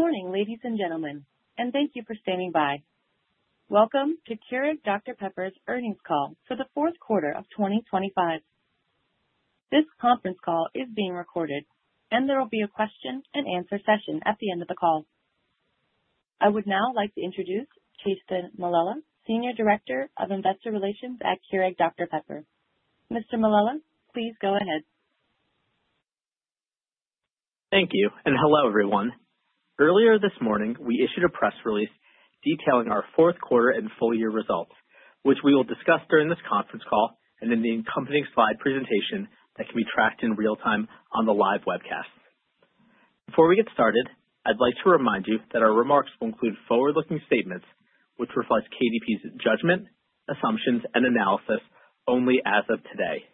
Good morning, ladies and gentlemen, and thank you for standing by. Welcome to Keurig Dr Pepper's Earnings Call for the Fourth Quarter of 2025. This conference call is being recorded, and there will be a question and answer session at the end of the call. I would now like to introduce Chethan Mallela, Senior Director of Investor Relations at Keurig Dr Pepper. Mr. Mallela, please go ahead. Thank you. Hello, everyone. Earlier this morning, we issued a press release detailing our fourth quarter and full year results, which we will discuss during this conference call and in the accompanying slide presentation that can be tracked in real time on the live webcast. Before we get started, I'd like to remind you that our remarks will include forward-looking statements, which reflect KDP's judgment, assumptions, and analysis only as of today.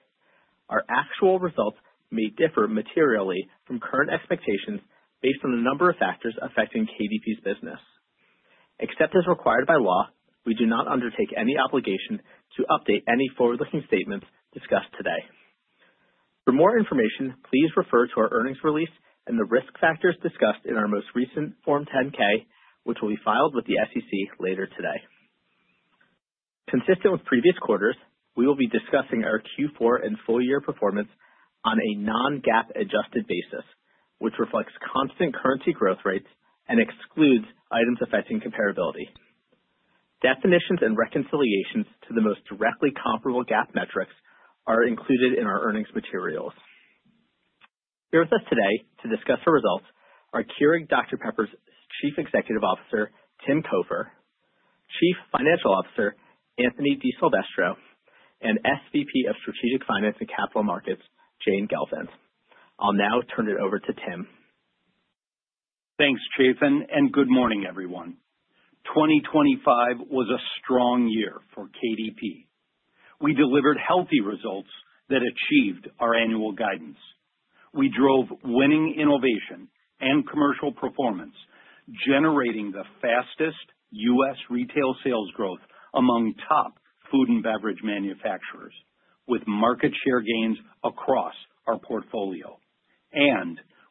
Our actual results may differ materially from current expectations based on a number of factors affecting KDP's business. Except as required by law, we do not undertake any obligation to update any forward-looking statements discussed today. For more information, please refer to our earnings release and the risk factors discussed in our most recent Form 10-K, which will be filed with the SEC later today. Consistent with previous quarters, we will be discussing our Q4 and full year performance on a non-GAAP adjusted basis, which reflects constant currency growth rates and excludes items affecting comparability. Definitions and reconciliations to the most directly comparable GAAP metrics are included in our earnings materials. Here with us today to discuss the results are Keurig Dr Pepper's Chief Executive Officer, Tim Cofer, Chief Financial Officer, Anthony DiSilvestro, and SVP of Strategic Finance and Capital Markets, Jane Gelfand. I'll now turn it over to Tim. Thanks, Chethan, good morning, everyone. 2025 was a strong year for KDP. We delivered healthy results that achieved our annual guidance. We drove winning innovation and commercial performance, generating the fastest U.S. retail sales growth among top food and beverage manufacturers, with market share gains across our portfolio.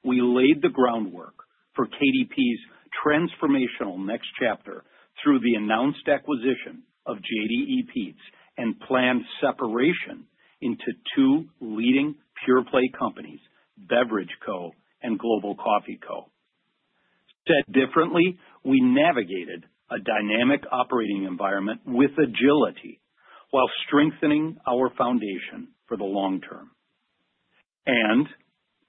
We laid the groundwork for KDP's transformational next chapter through the announced acquisition of JDE Peet's and planned separation into two leading pure play companies, Beverage Co. and Global Coffee Co. Said differently, we navigated a dynamic operating environment with agility while strengthening our foundation for the long term.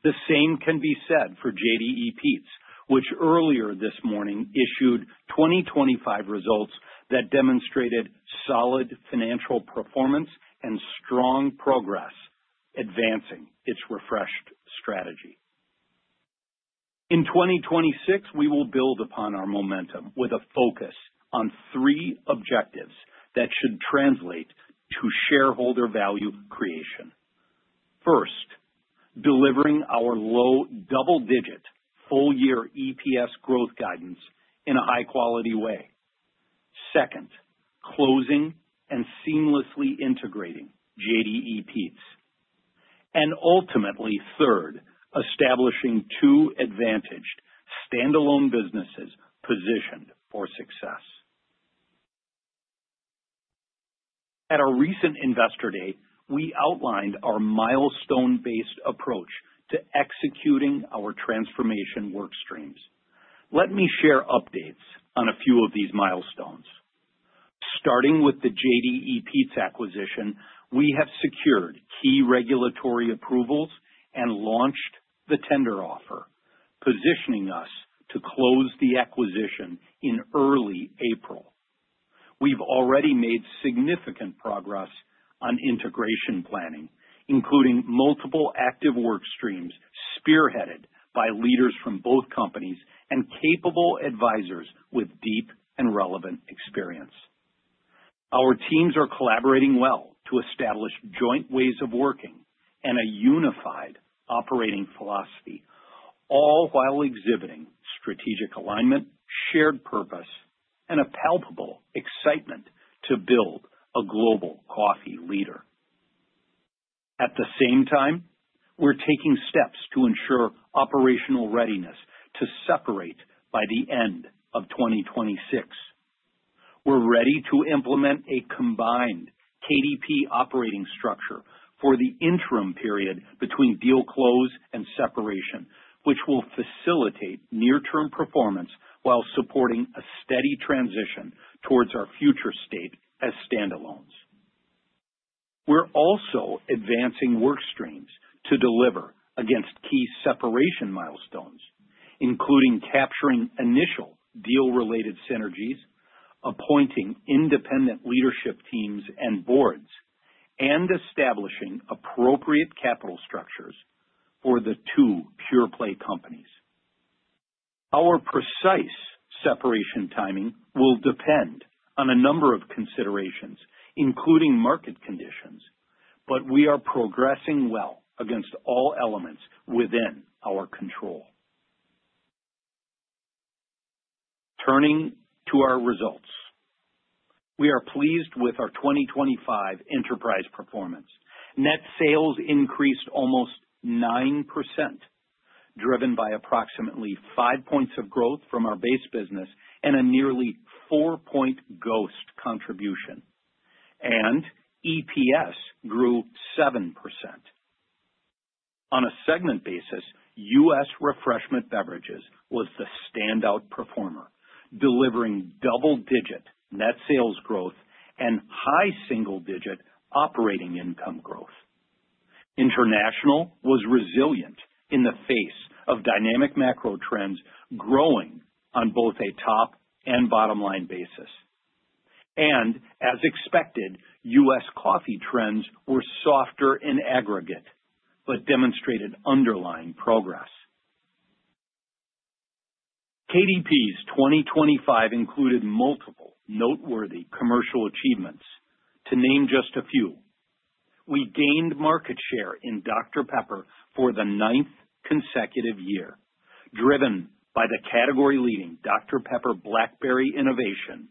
The same can be said for JDE Peet's, which earlier this morning issued 2025 results that demonstrated solid financial performance and strong progress advancing its refreshed strategy. In 2026, we will build upon our momentum with a focus on three objectives that should translate to shareholder value creation. First, delivering our low double digit full year EPS growth guidance in a high quality way. Second, closing and seamlessly integrating JDE Peet's, and ultimately, third, establishing two advantaged standalone businesses positioned for success. At our recent Investor Day, we outlined our milestone-based approach to executing our transformation work streams. Let me share updates on a few of these milestones. Starting with the JDE Peet's acquisition, we have secured key regulatory approvals and launched the tender offer, positioning us to close the acquisition in early April. We've already made significant progress on integration planning, including multiple active work streams spearheaded by leaders from both companies and capable advisors with deep and relevant experience. Our teams are collaborating well to establish joint ways of working and a unified operating philosophy, all while exhibiting strategic alignment, shared purpose, and a palpable excitement to build a global coffee leader. At the same time, we're taking steps to ensure operational readiness to separate by the end of 2026. We're ready to implement a combined KDP operating structure for the interim period between deal close and separation, which will facilitate near-term performance while supporting a steady transition towards our future state as standalones. We're also advancing work streams to deliver against key separation milestones, including capturing initial deal-related synergies, appointing independent leadership teams and boards, and establishing appropriate capital structures for the two pure play companies. Our precise separation timing will depend on a number of considerations, including market conditions, but we are progressing well against all elements within our control. Turning to our results. We are pleased with our 2025 enterprise performance. Net sales increased almost 9%, driven by approximately 5 points of growth from our base business and a nearly 4-point GHOST contribution. EPS grew 7%. On a segment basis, U.S. Refreshment Beverages was the standout performer, delivering double-digit net sales growth and high single-digit operating income growth. International was resilient in the face of dynamic macro trends, growing on both a top and bottom-line basis. As expected, U.S. Coffee trends were softer in aggregate, but demonstrated underlying progress. KDP's 2025 included multiple noteworthy commercial achievements. To name just a few, we gained market share in Dr Pepper for the ninth consecutive year, driven by the category-leading Dr Pepper Blackberry innovation,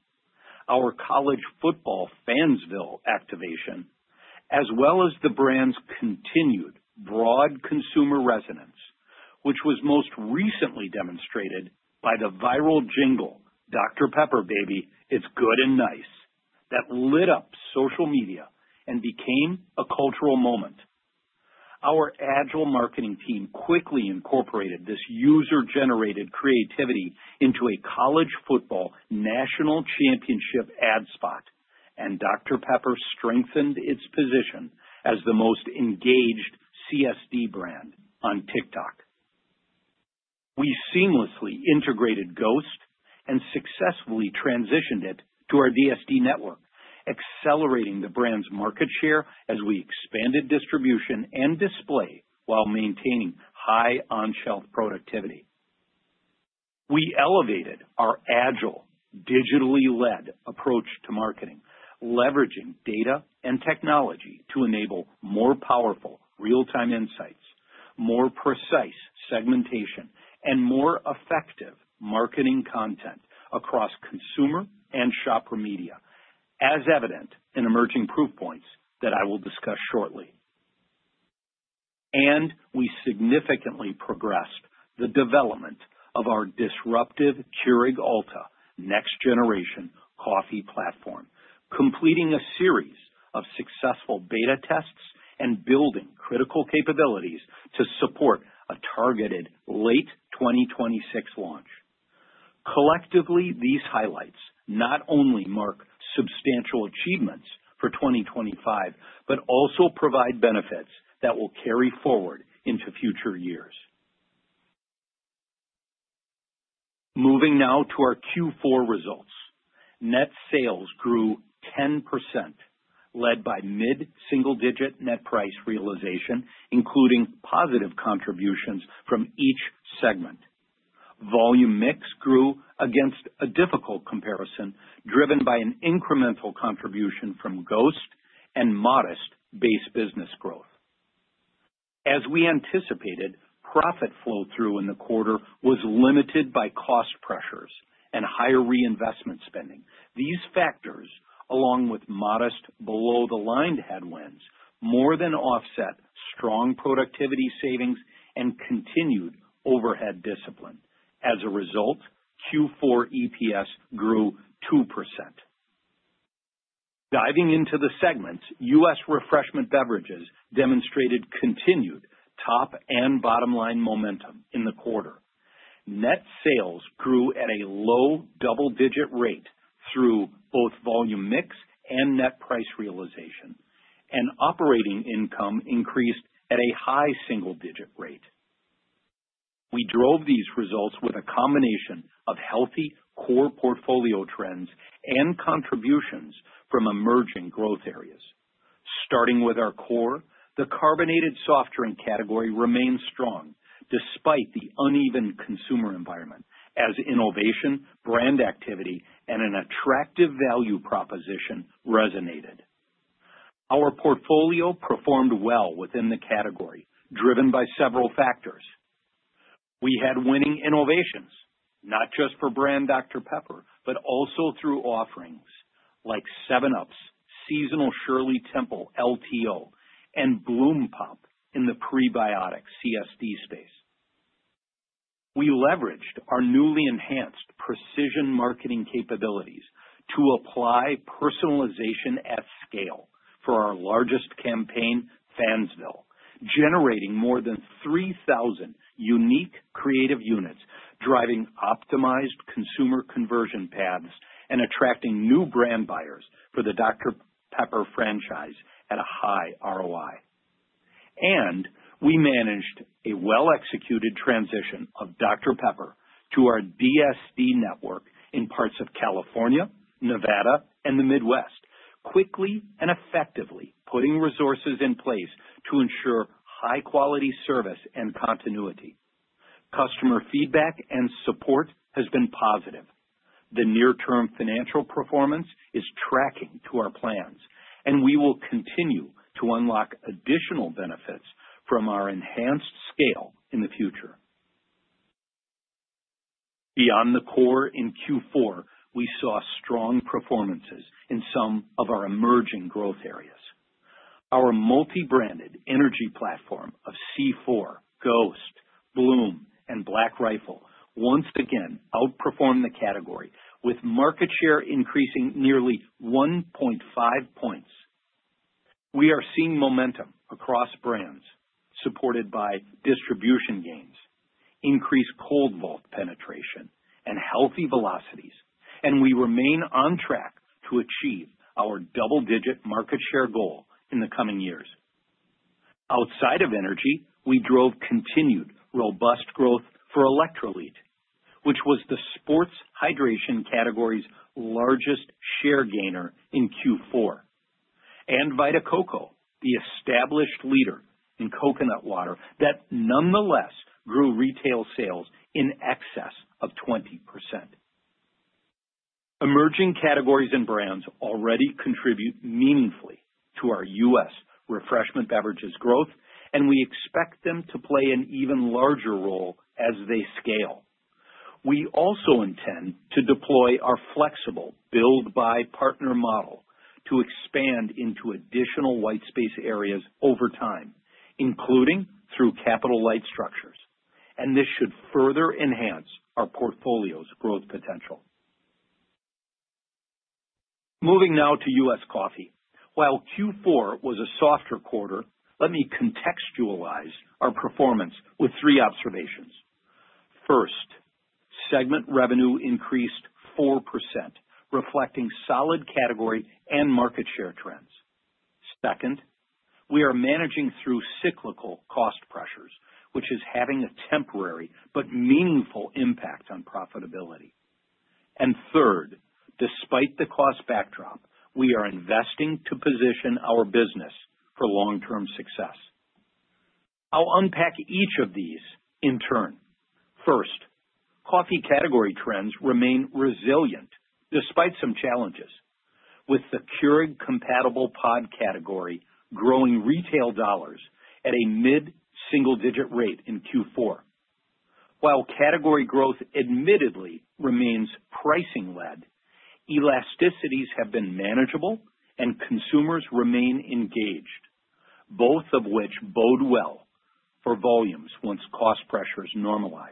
our college football Fansville activation, as well as the brand's continued broad consumer resonance, which was most recently demonstrated by the viral jingle, Dr Pepper, Baby, It's Good and Nice, that lit up social media and became a cultural moment. Our agile marketing team quickly incorporated this user-generated creativity into a college football national championship ad spot, and Dr Pepper strengthened its position as the most engaged CSD brand on TikTok. We seamlessly integrated GHOST and successfully transitioned it to our DSD network, accelerating the brand's market share as we expanded distribution and display while maintaining high on-shelf productivity. We elevated our agile, digitally-led approach to marketing, leveraging data and technology to enable more powerful real-time insights, more precise segmentation, and more effective marketing content across consumer and shopper media, as evident in emerging proof points that I will discuss shortly. We significantly progressed the development of our disruptive Keurig Alta next generation coffee platform, completing a series of successful beta tests and building critical capabilities to support a targeted late 2026 launch. Collectively, these highlights not only mark substantial achievements for 2025, but also provide benefits that will carry forward into future years. Moving now to our Q4 results. Net sales grew 10%, led by mid-single digit net price realization, including positive contributions from each segment. Volume mix grew against a difficult comparison, driven by an incremental contribution from GHOST and modest base business growth. As we anticipated, profit flow-through in the quarter was limited by cost pressures and higher reinvestment spending. These factors, along with modest below-the-line headwinds, more than offset strong productivity savings and continued overhead discipline. As a result, Q4 EPS grew 2%. Diving into the segments, U.S. Refreshment Beverages demonstrated continued top and bottom line momentum in the quarter. Net sales grew at a low double-digit rate through both volume mix and net price realization, and operating income increased at a high single-digit rate. We drove these results with a combination of healthy core portfolio trends and contributions from emerging growth areas. Starting with our core, the carbonated soft drink category remains strong despite the uneven consumer environment, as innovation, brand activity, and an attractive value proposition resonated. Our portfolio performed well within the category, driven by several factors. We had winning innovations, not just for brand Dr Pepper, but also through offerings like 7UP's seasonal Shirley Temple LTO, and Bloom Pop in the prebiotic CSD space. We leveraged our newly enhanced precision marketing capabilities to apply personalization at scale for our largest campaign, Fansville, generating more than 3,000 unique creative units, driving optimized consumer conversion paths and attracting new brand buyers for the Dr Pepper franchise at a high ROI. We managed a well-executed transition of Dr Pepper to our DSD network in parts of California, Nevada, and the Midwest, quickly and effectively putting resources in place to ensure high-quality service and continuity. Customer feedback and support has been positive. The near-term financial performance is tracking to our plans. We will continue to unlock additional benefits from our enhanced scale in the future. Beyond the core, in Q4, we saw strong performances in some of our emerging growth areas. Our multi-branded energy platform of C4, GHOST, Bloom, and Black Rifle once again outperformed the category, with market share increasing nearly 1.5 points. We are seeing momentum across brands, supported by distribution gains, increased cold vault penetration, and healthy velocities. We remain on track to achieve our double-digit market share goal in the coming years. Outside of energy, we drove continued robust growth for Electrolit, which was the sports hydration category's largest share gainer in Q4. Vita Coco, the established leader in coconut water, that nonetheless grew retail sales in excess of 20%. Emerging categories and brands already contribute meaningfully to our U.S. Refreshment Beverages growth. We expect them to play an even larger role as they scale. We also intend to deploy our flexible build-by partner model to expand into additional white space areas over time, including through capital light structures. This should further enhance our portfolio's growth potential. Moving now to U.S. Coffee. While Q4 was a softer quarter, let me contextualize our performance with three observations. First, segment revenue increased 4%, reflecting solid category and market share trends. Second, we are managing through cyclical cost pressures, which is having a temporary but meaningful impact on profitability. Third, despite the cost backdrop, we are investing to position our business for long-term success. I'll unpack each of these in turn. First, coffee category trends remain resilient despite some challenges, with the Keurig compatible pod category growing retail dollars at a mid-single-digit rate in Q4. While category growth admittedly remains pricing-led, elasticities have been manageable and consumers remain engaged, both of which bode well for volumes once cost pressures normalize.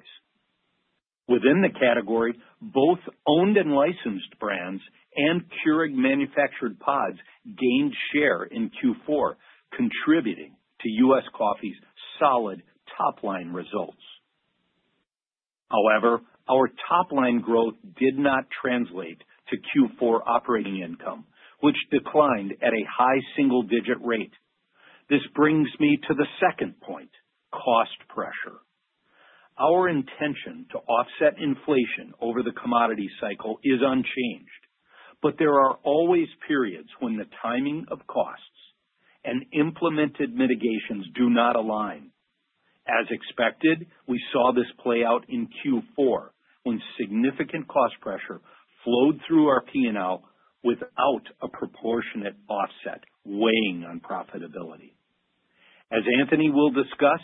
Within the category, both owned and licensed brands and Keurig manufactured pods gained share in Q4, contributing to U.S. Coffee's solid top line results. However, our top line growth did not translate to Q4 operating income, which declined at a high-single-digit rate. This brings me to the second point, cost pressure. Our intention to offset inflation over the commodity cycle is unchanged, but there are always periods when the timing of costs and implemented mitigations do not align. As expected, we saw this play out in Q4, when significant cost pressure flowed through our P&L without a proportionate offset, weighing on profitability. As Anthony will discuss,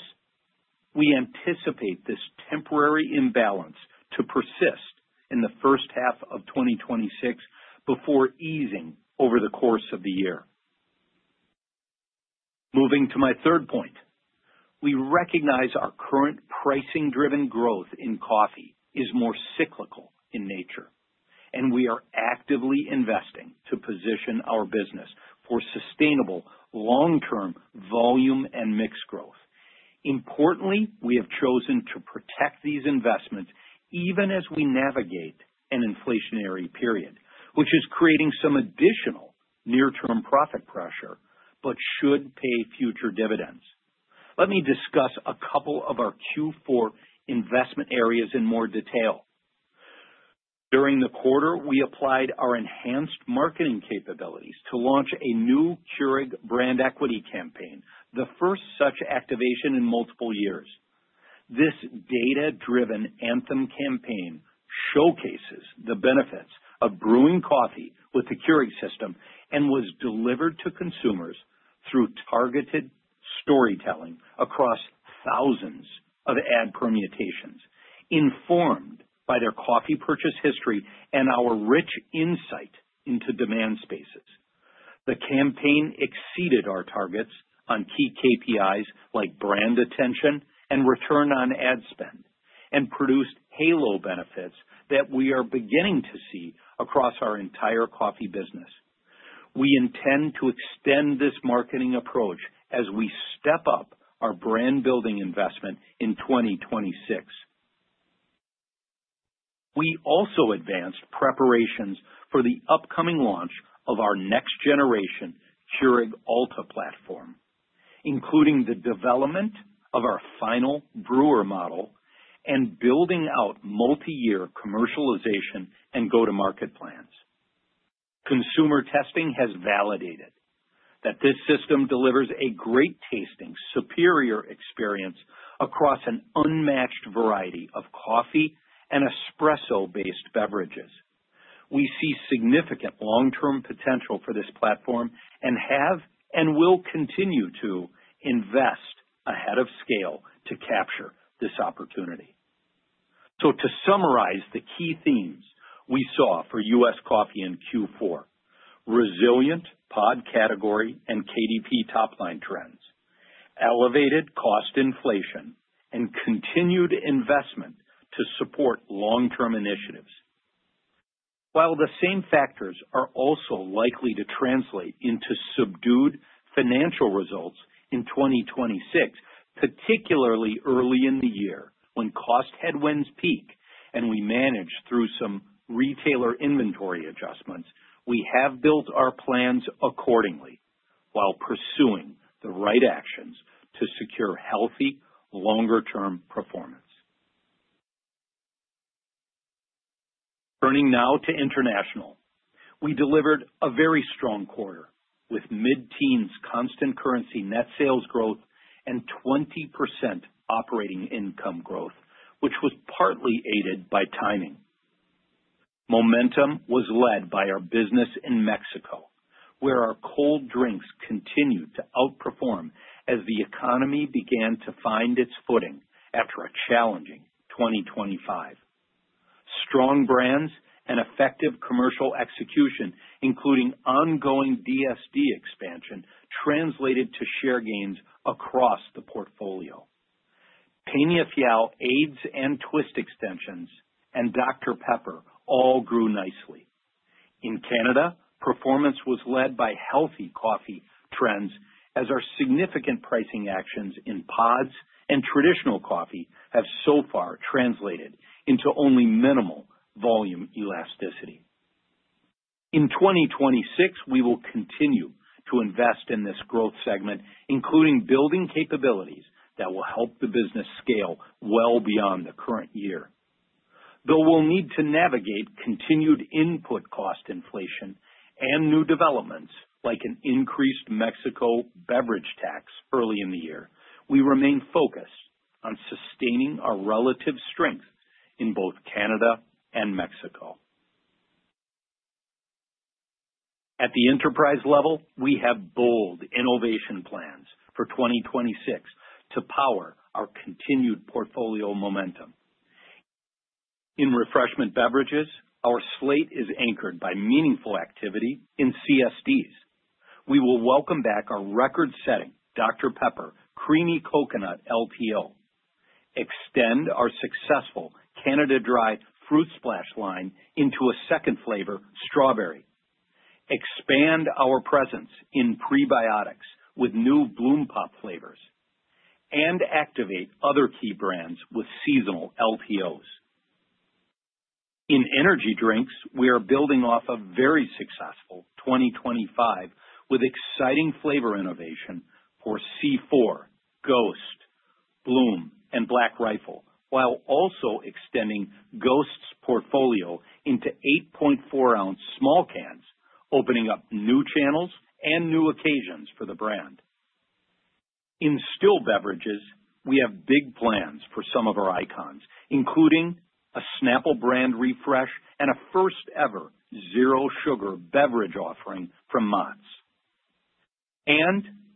we anticipate this temporary imbalance to persist in the first half of 2026, before easing over the course of the year. Moving to my third point, we recognize our current pricing-driven growth in coffee is more cyclical in nature, and we are actively investing to position our business for sustainable long-term volume and mix growth. Importantly, we have chosen to protect these investments even as we navigate an inflationary period, which is creating some additional near-term profit pressure but should pay future dividends. Let me discuss a couple of our Q4 investment areas in more detail. During the quarter, we applied our enhanced marketing capabilities to launch a new Keurig brand equity campaign, the first such activation in multiple years. This data-driven anthem campaign showcases the benefits of brewing coffee with the Keurig system and was delivered to consumers through targeted storytelling across thousands of ad permutations, informed by their coffee purchase history and our rich insight into demand spaces. The campaign exceeded our targets on key KPIs like brand attention and return on ad spend, and produced halo benefits that we are beginning to see across our entire coffee business. We intend to extend this marketing approach as we step up our brand building investment in 2026. We also advanced preparations for the upcoming launch of our next generation Keurig Alta platform, including the development of our final brewer model and building out multiyear commercialization and go-to-market plans. Consumer testing has validated that this system delivers a great-tasting, superior experience across an unmatched variety of coffee and espresso-based beverages. We see significant long-term potential for this platform and have, and will continue to invest ahead of scale to capture this opportunity. To summarize the key themes we saw for U.S. Coffee in Q4: resilient pod category and KDP top line trends, elevated cost inflation, and continued investment to support long-term initiatives. While the same factors are also likely to translate into subdued financial results in 2026, particularly early in the year when cost headwinds peak and we manage through some retailer inventory adjustments, we have built our plans accordingly, while pursuing the right actions to secure healthy, longer-term performance. Turning now to international. We delivered a very strong quarter with mid-teens constant currency net sales growth and 20% operating income growth, which was partly aided by timing. Momentum was led by our business in Mexico, where our cold drinks continued to outperform as the economy began to find its footing after a challenging 2025. Strong brands and effective commercial execution, including ongoing DSD expansion, translated to share gains across the portfolio. Peñafiel Aguas and Twist extensions and Dr Pepper all grew nicely. In Canada, performance was led by healthy coffee trends, as our significant pricing actions in pods and traditional coffee have so far translated into only minimal volume elasticity. In 2026, we will continue to invest in this growth segment, including building capabilities that will help the business scale well beyond the current year. We'll need to navigate continued input cost inflation and new developments, like an increased Mexico beverage tax early in the year, we remain focused on sustaining our relative strength in both Canada and Mexico. At the enterprise level, we have bold innovation plans for 2026 to power our continued portfolio momentum. In refreshment beverages, our slate is anchored by meaningful activity in CSDs. We will welcome back our record-setting Dr Pepper Creamy Coconut LTO, extend our successful Canada Dry Fruit Splash line into a second flavor, strawberry, expand our presence in prebiotics with new Bloom Pop flavors, activate other key brands with seasonal LTOs. In energy drinks, we are building off a very successful 2025, with exciting flavor innovation for C4, GHOST, Bloom and Black Rifle, while also extending GHOST's portfolio into 8.4 ounce small cans, opening up new channels and new occasions for the brand. In still beverages, we have big plans for some of our icons, including a Snapple brand refresh and a first ever zero sugar beverage offering from Mott's.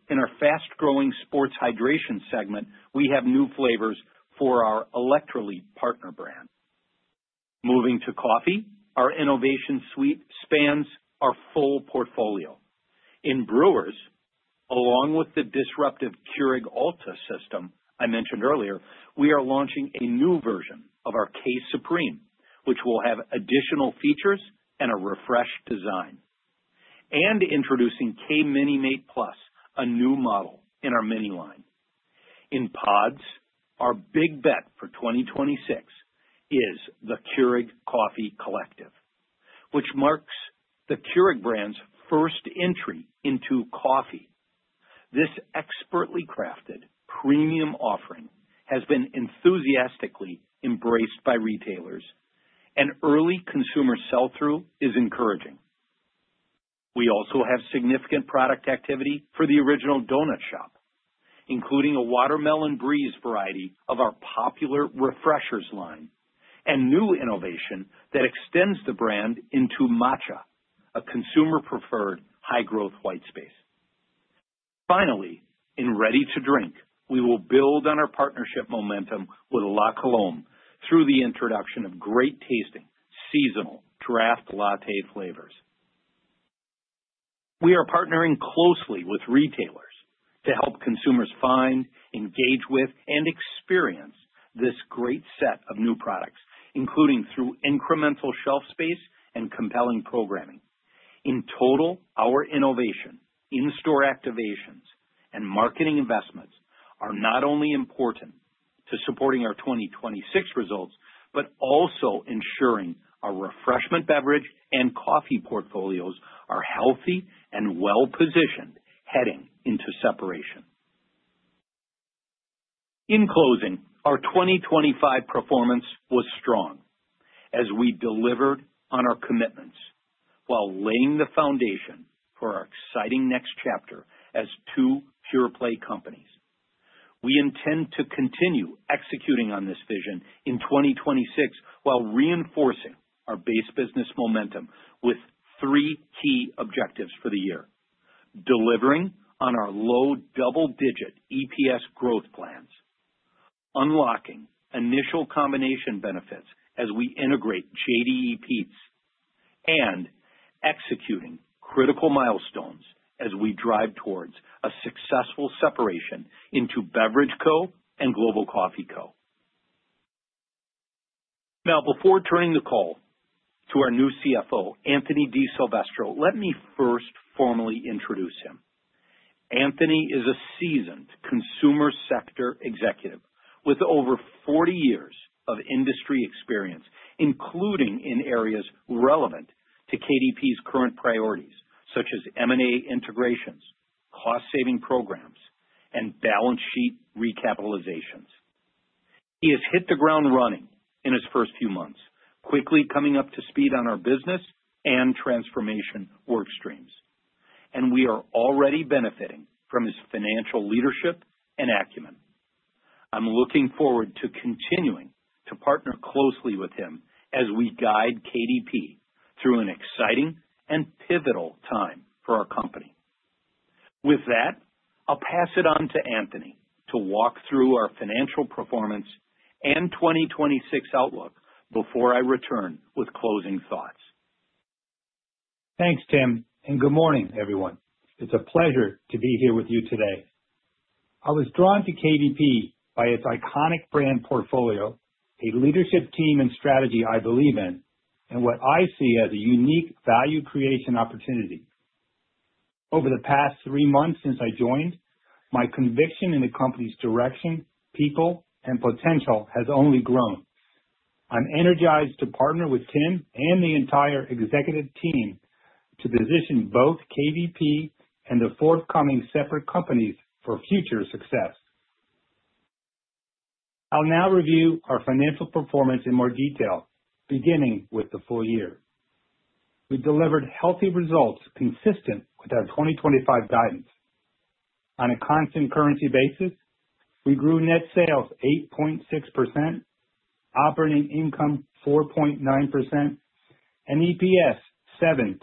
In our fast-growing sports hydration segment, we have new flavors for our Electrolit partner brand. Moving to coffee, our innovation suite spans our full portfolio. In brewers, along with the disruptive Keurig Alta system I mentioned earlier, we are launching a new version of our K-Supreme, which will have additional features and a refreshed design, and introducing K-Mini Mate Plus, a new model in our Mini line. In pods, our big bet for 2026 is the Keurig Coffee Collective, which marks the Keurig brand's first entry into coffee. This expertly crafted, premium offering has been enthusiastically embraced by retailers and early consumer sell-through is encouraging. We also have significant product activity for The Original Donut Shop, including a Watermelon Breeze variety of our popular Refreshers line and new innovation that extends the brand into matcha, a consumer-preferred, high-growth white space. Finally, in ready-to-drink, we will build on our partnership momentum with La Colombe through the introduction of great-tasting, seasonal draft latte flavors. We are partnering closely with retailers to help consumers find, engage with, and experience this great set of new products, including through incremental shelf space and compelling programming. In total, our innovation in-store activations and marketing investments are not only important to supporting our 2026 results, but also ensuring our refreshment beverage and coffee portfolios are healthy and well positioned heading into separation. In closing, our 2025 performance was strong as we delivered on our commitments while laying the foundation for our exciting next chapter as two pure-play companies. We intend to continue executing on this vision in 2026, while reinforcing our base business momentum with three key objectives for the year: delivering on our low double-digit EPS growth plans, unlocking initial combination benefits as we integrate JDE Peet's, and executing critical milestones as we drive towards a successful separation into Beverage Co. Global Coffee Co. Before turning the call to our new CFO, Anthony DiSilvestro, let me first formally introduce him. Anthony is a seasoned consumer sector executive with over 40 years of industry experience, including in areas relevant to KDP's current priorities, such as M&A integrations, cost saving programs, and balance sheet recapitalizations. He has hit the ground running in his first few months, quickly coming up to speed on our business and transformation work streams, and we are already benefiting from his financial leadership and acumen. I'm looking forward to continuing to partner closely with him as we guide KDP through an exciting and pivotal time for our company. I'll pass it on to Anthony to walk through our financial performance and 2026 outlook before I return with closing thoughts. Thanks, Tim. Good morning, everyone. It is a pleasure to be here with you today. I was drawn to KDP by its iconic brand portfolio, a leadership team and strategy I believe in, and what I see as a unique value creation opportunity. Over the past three months since I joined, my conviction in the company's direction, people, and potential has only grown. I am energized to partner with Tim and the entire executive team to position both KDP and the forthcoming separate companies for future success. I will now review our financial performance in more detail, beginning with the full year. We delivered healthy results consistent with our 2025 guidance. On a constant currency basis, we grew net sales 8.6%, operating income 4.9%, and EPS 7.3%,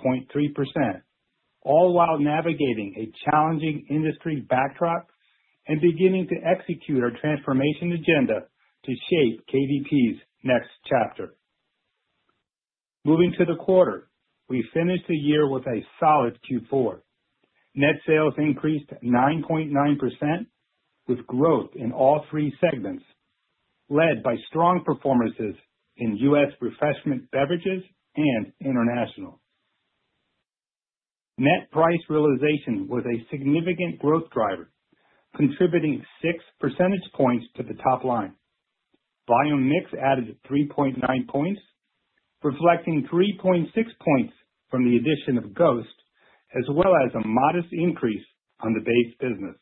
all while navigating a challenging industry backdrop and beginning to execute our transformation agenda to shape KDP's next chapter. Moving to the quarter, we finished the year with a solid Q4. Net sales increased 9.9%, with growth in all three segments, led by strong performances in U.S. Refreshment Beverages and International. Net price realization was a significant growth driver, contributing 6 percentage points to the top line. Volume mix added 3.9 points, reflecting 3.6 points from the addition of GHOST, as well as a modest increase on the base business.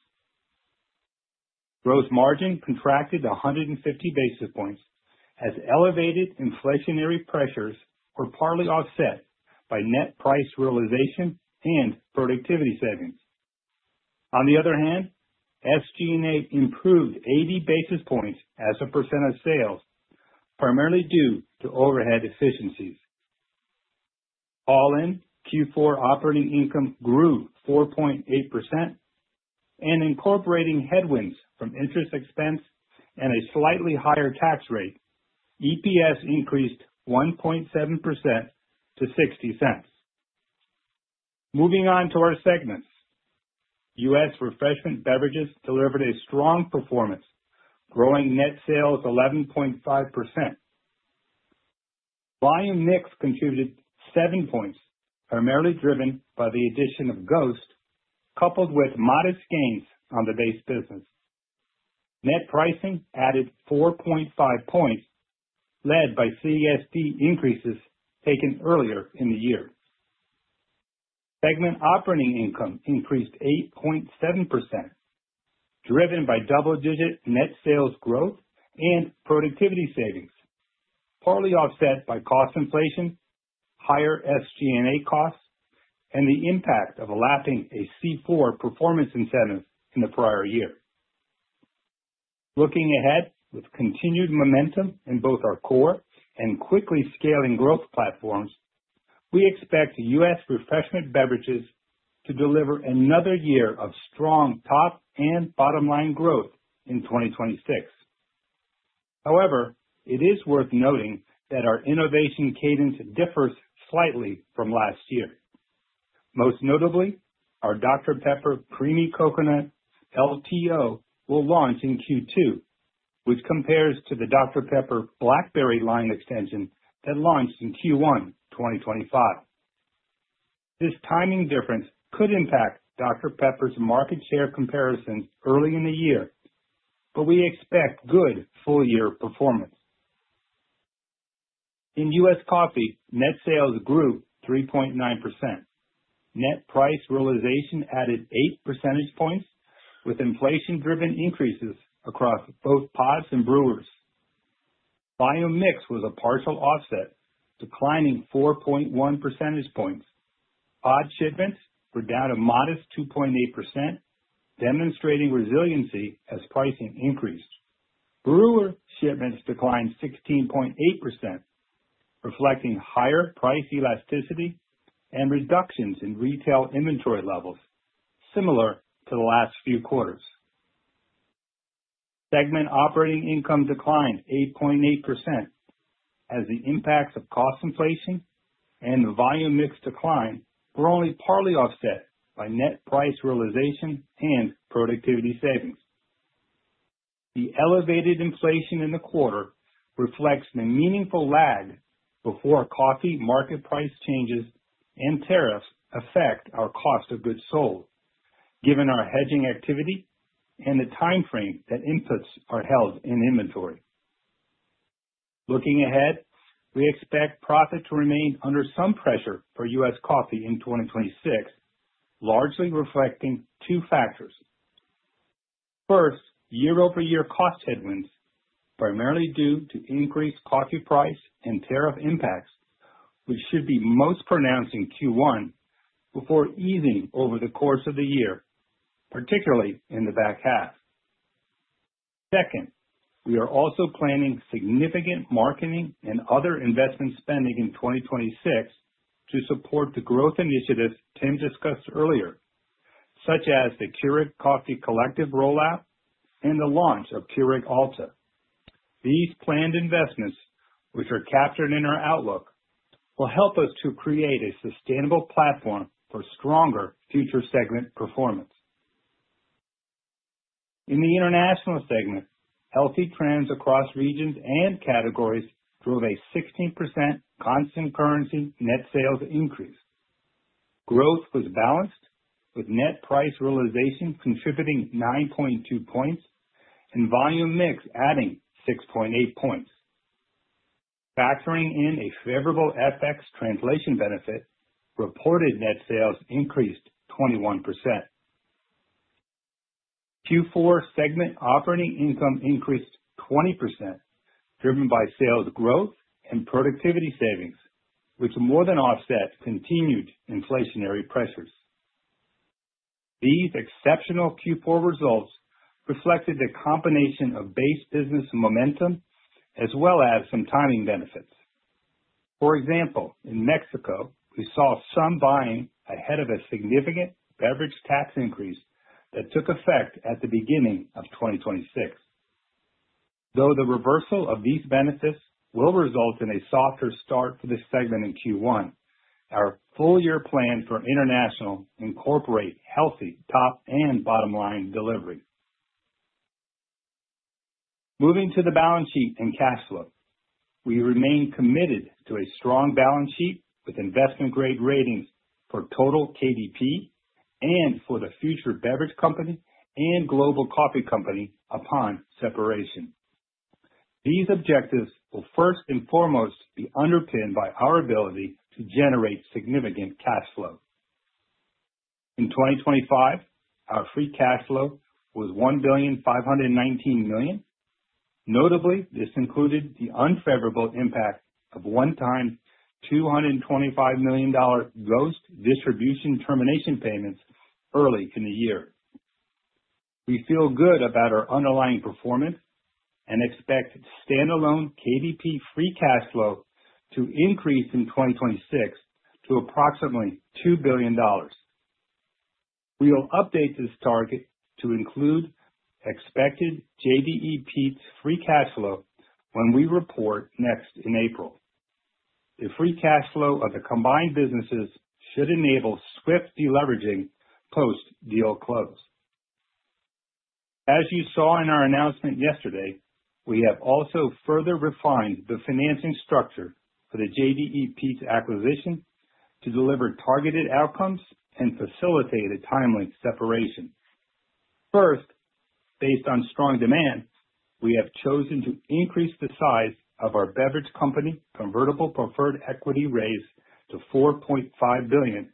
Gross margin contracted 150 basis points, as elevated inflationary pressures were partly offset by net price realization and productivity savings. On the other hand, SG&A improved 80 basis points as a percent of sales, primarily due to overhead efficiencies. All in, Q4 operating income grew 4.8%, and incorporating headwinds from interest expense and a slightly higher tax rate, EPS increased 1.7% to $0.60. Moving on to our segments. U.S. Refreshment Beverages delivered a strong performance, growing net sales 11.5%. Volume mix contributed 7 points, primarily driven by the addition of GHOST, coupled with modest gains on the base business. Net pricing added 4.5 points, led by CSD increases taken earlier in the year. Segment operating income increased 8.7%, driven by double-digit net sales growth and productivity savings, partly offset by cost inflation, higher SG&A costs, and the impact of elapsing a C4 performance incentive in the prior year. Looking ahead, with continued momentum in both our core and quickly scaling growth platforms, we expect U.S. Refreshment Beverages to deliver another year of strong top and bottom line growth in 2026. It is worth noting that our innovation cadence differs slightly from last year. Most notably, our Dr Pepper Creamy Coconut LTO will launch in Q2, which compares to the Dr Pepper Blackberry line extension that launched in Q1 2025. This timing difference could impact Dr Pepper's market share comparisons early in the year, but we expect good full year performance. In U.S. Coffee, net sales grew 3.9%. Net price realization added 8 percentage points, with inflation-driven increases across both pods and brewers. Volume mix was a partial offset, declining 4.1 percentage points. Pod shipments were down a modest 2.8%, demonstrating resiliency as pricing increased. Brewer shipments declined 16.8%, reflecting higher price elasticity and reductions in retail inventory levels, similar to the last few quarters. Segment operating income declined 8.8%, as the impacts of cost inflation and the volume mix decline were only partly offset by net price realization and productivity savings. The elevated inflation in the quarter reflects the meaningful lag before coffee market price changes and tariffs affect our cost of goods sold, given our hedging activity and the timeframe that inputs are held in inventory. Looking ahead, we expect profit to remain under some pressure for U.S. Coffee in 2026, largely reflecting two factors. First, year-over-year cost headwinds, primarily due to increased coffee price and tariff impacts, which should be most pronounced in Q1 before easing over the course of the year, particularly in the back half. We are also planning significant marketing and other investment spending in 2026 to support the growth initiatives Tim discussed earlier, such as the Keurig Coffee Collective rollout and the launch of Keurig Alta. These planned investments, which are captured in our outlook, will help us to create a sustainable platform for stronger future segment performance. In the International segment, healthy trends across regions and categories drove a 16% constant currency net sales increase. Growth was balanced, with net price realization contributing 9.2 points and volume mix adding 6.8 points. Factoring in a favorable FX translation benefit, reported net sales increased 21%. Q4 segment operating income increased 20%, driven by sales growth and productivity savings, which more than offset continued inflationary pressures. These exceptional Q4 results reflected a combination of base business momentum as well as some timing benefits. For example, in Mexico, we saw some buying ahead of a significant beverage tax increase that took effect at the beginning of 2026. Though the reversal of these benefits will result in a softer start for this segment in Q1, our full year plan for International incorporate healthy top and bottom line delivery. Moving to the balance sheet and cash flow. We remain committed to a strong balance sheet with investment-grade ratings for total KDP and for the future Beverage Co. and Global Coffee Co. upon separation. These objectives will first and foremost be underpinned by our ability to generate significant cash flow. In 2025, our free cash flow was $1,519 million. Notably, this included the unfavorable impact of one-time $225 million gross distribution termination payments early in the year. We feel good about our underlying performance and expect standalone KDP free cash flow to increase in 2026 to approximately $2 billion. We will update this target to include expected JDE Peet's free cash flow when we report next in April. The free cash flow of the combined businesses should enable swift deleveraging post-deal close. As you saw in our announcement yesterday, we have also further refined the financing structure for the JDE Peet's acquisition to deliver targeted outcomes and facilitate a timely separation. First, based on strong demand, we have chosen to increase the size of our beverage company convertible preferred equity raise to $4.5 billion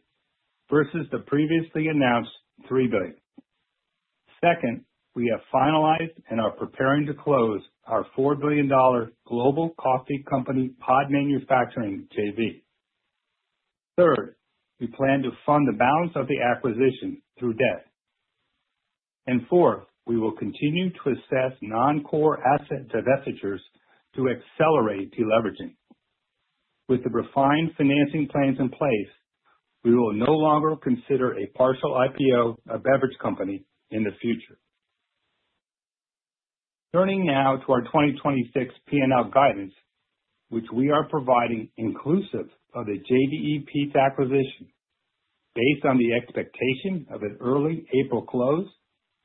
versus the previously announced $3 billion. Second, we have finalized and are preparing to close our $4 billion Global Coffee Co. Pod Manufacturing JV. Third, we plan to fund the balance of the acquisition through debt. Fourth, we will continue to assess non-core asset divestitures to accelerate deleveraging. With the refined financing plans in place, we will no longer consider a partial IPO, a beverage company in the future. Turning now to our 2026 P&L guidance, which we are providing inclusive of the JDE Peet's acquisition, based on the expectation of an early April close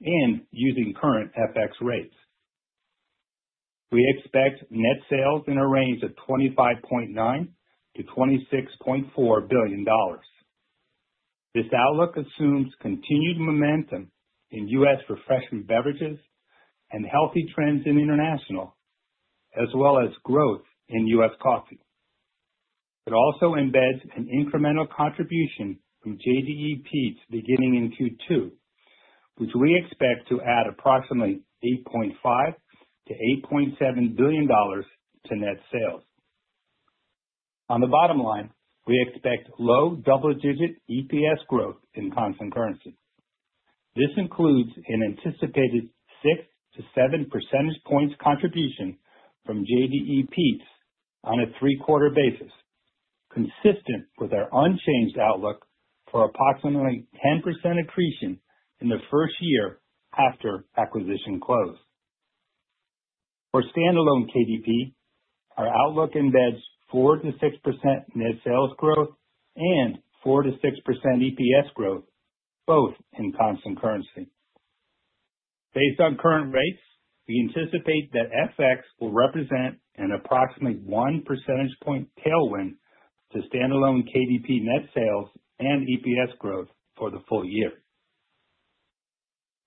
and using current FX rates. We expect net sales in a range of $25.9 billion-$26.4 billion. This outlook assumes continued momentum in U.S. Refreshment Beverages and healthy trends in International, as well as growth in U.S. Coffee. It also embeds an incremental contribution from JDE Peet's beginning in Q2, which we expect to add approximately $8.5 billion-$8.7 billion to net sales. On the bottom line, we expect low double-digit EPS growth in constant currency. This includes an anticipated 6-7 percentage points contribution from JDE Peet's on a three-quarter basis, consistent with our unchanged outlook for approximately 10% accretion in the first year after acquisition close. For standalone KDP, our outlook embeds 4%-6% net sales growth and 4%-6% EPS growth, both in constant currency. Based on current rates, we anticipate that FX will represent an approximately 1 percentage point tailwind to standalone KDP net sales and EPS growth for the full year.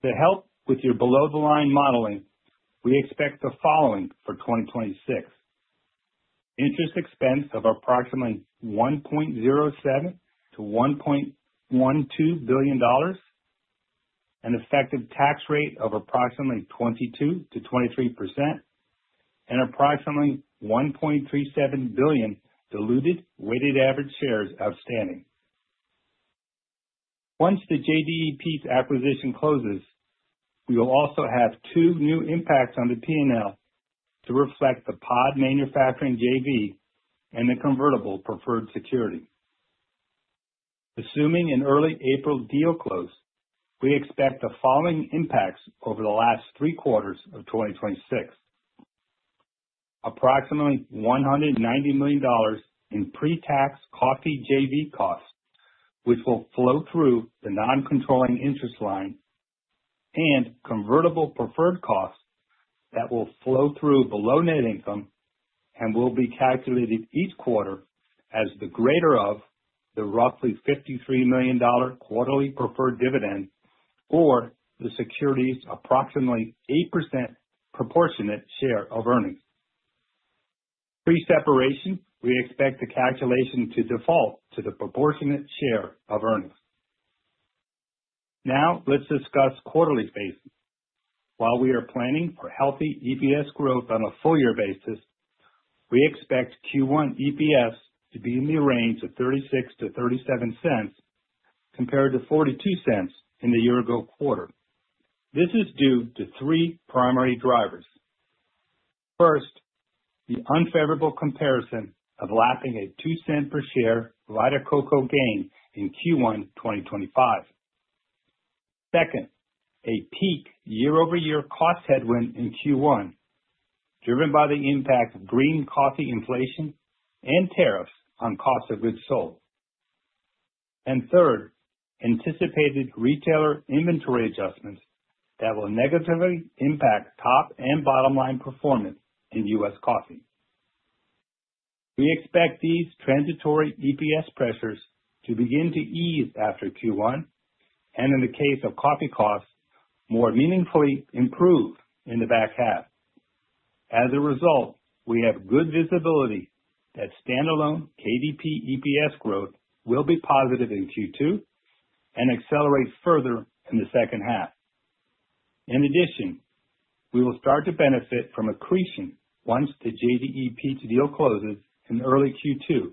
To help with your below-the-line modeling, we expect the following for 2026: interest expense of approximately $1.07 billion-$1.12 billion, an effective tax rate of approximately 22%-23%, and approximately 1.37 billion diluted weighted average shares outstanding. Once the JDE Peet's acquisition closes, we will also have two new impacts on the P&L to reflect the Pod Manufacturing JV and the convertible preferred security. Assuming an early April deal close, we expect the following impacts over the last three quarters of 2026: approximately $190 million in pre-tax coffee JV costs, which will flow through the non-controlling interest line and convertible preferred costs that will flow through below net income and will be calculated each quarter as the greater of the roughly $53 million quarterly preferred dividend, or the securities approximately 8% proportionate share of earnings. Pre-separation, we expect the calculation to default to the proportionate share of earnings. Let's discuss quarterly basis. While we are planning for healthy EPS growth on a full year basis, we expect Q1 EPS to be in the range of $0.36-$0.37, compared to $0.42 in the year-ago quarter. This is due to three primary drivers. First, the unfavorable comparison of lapping a $0.02 per share Vita Coco gain in Q1 2025. Second, a peak year-over-year cost headwind in Q1, driven by the impact of green coffee inflation and tariffs on cost of goods sold. Third, anticipated retailer inventory adjustments that will negatively impact top and bottom line performance in U.S. Coffee. We expect these transitory EPS pressures to begin to ease after Q1, and in the case of coffee costs, more meaningfully improve in the back half. We have good visibility that standalone KDP EPS growth will be positive in Q2 and accelerate further in the second half. We will start to benefit from accretion once the JDE Peet's deal closes in early Q2,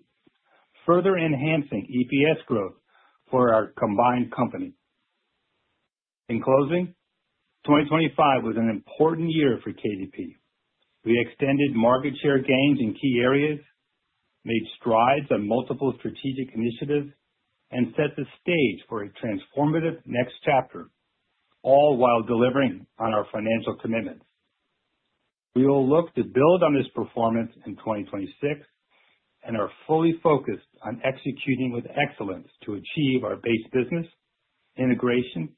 further enhancing EPS growth for our combined company. 2025 was an important year for KDP. We extended market share gains in key areas, made strides on multiple strategic initiatives, and set the stage for a transformative next chapter, all while delivering on our financial commitments. We will look to build on this performance in 2026 and are fully focused on executing with excellence to achieve our base business, integration,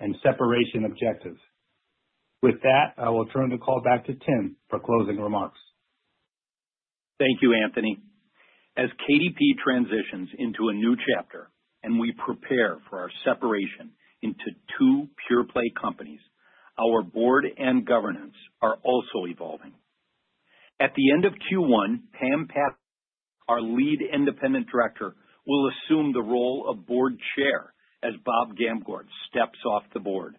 and separation objectives. I will turn the call back to Tim for closing remarks. Thank you, Anthony. As KDP transitions into a new chapter and we prepare for our separation into two pure play companies, our board and governance are also evolving. At the end of Q1, Pam Patsley, our Lead Independent Director, will assume the role of board chair as Bob Gamgort steps off the board.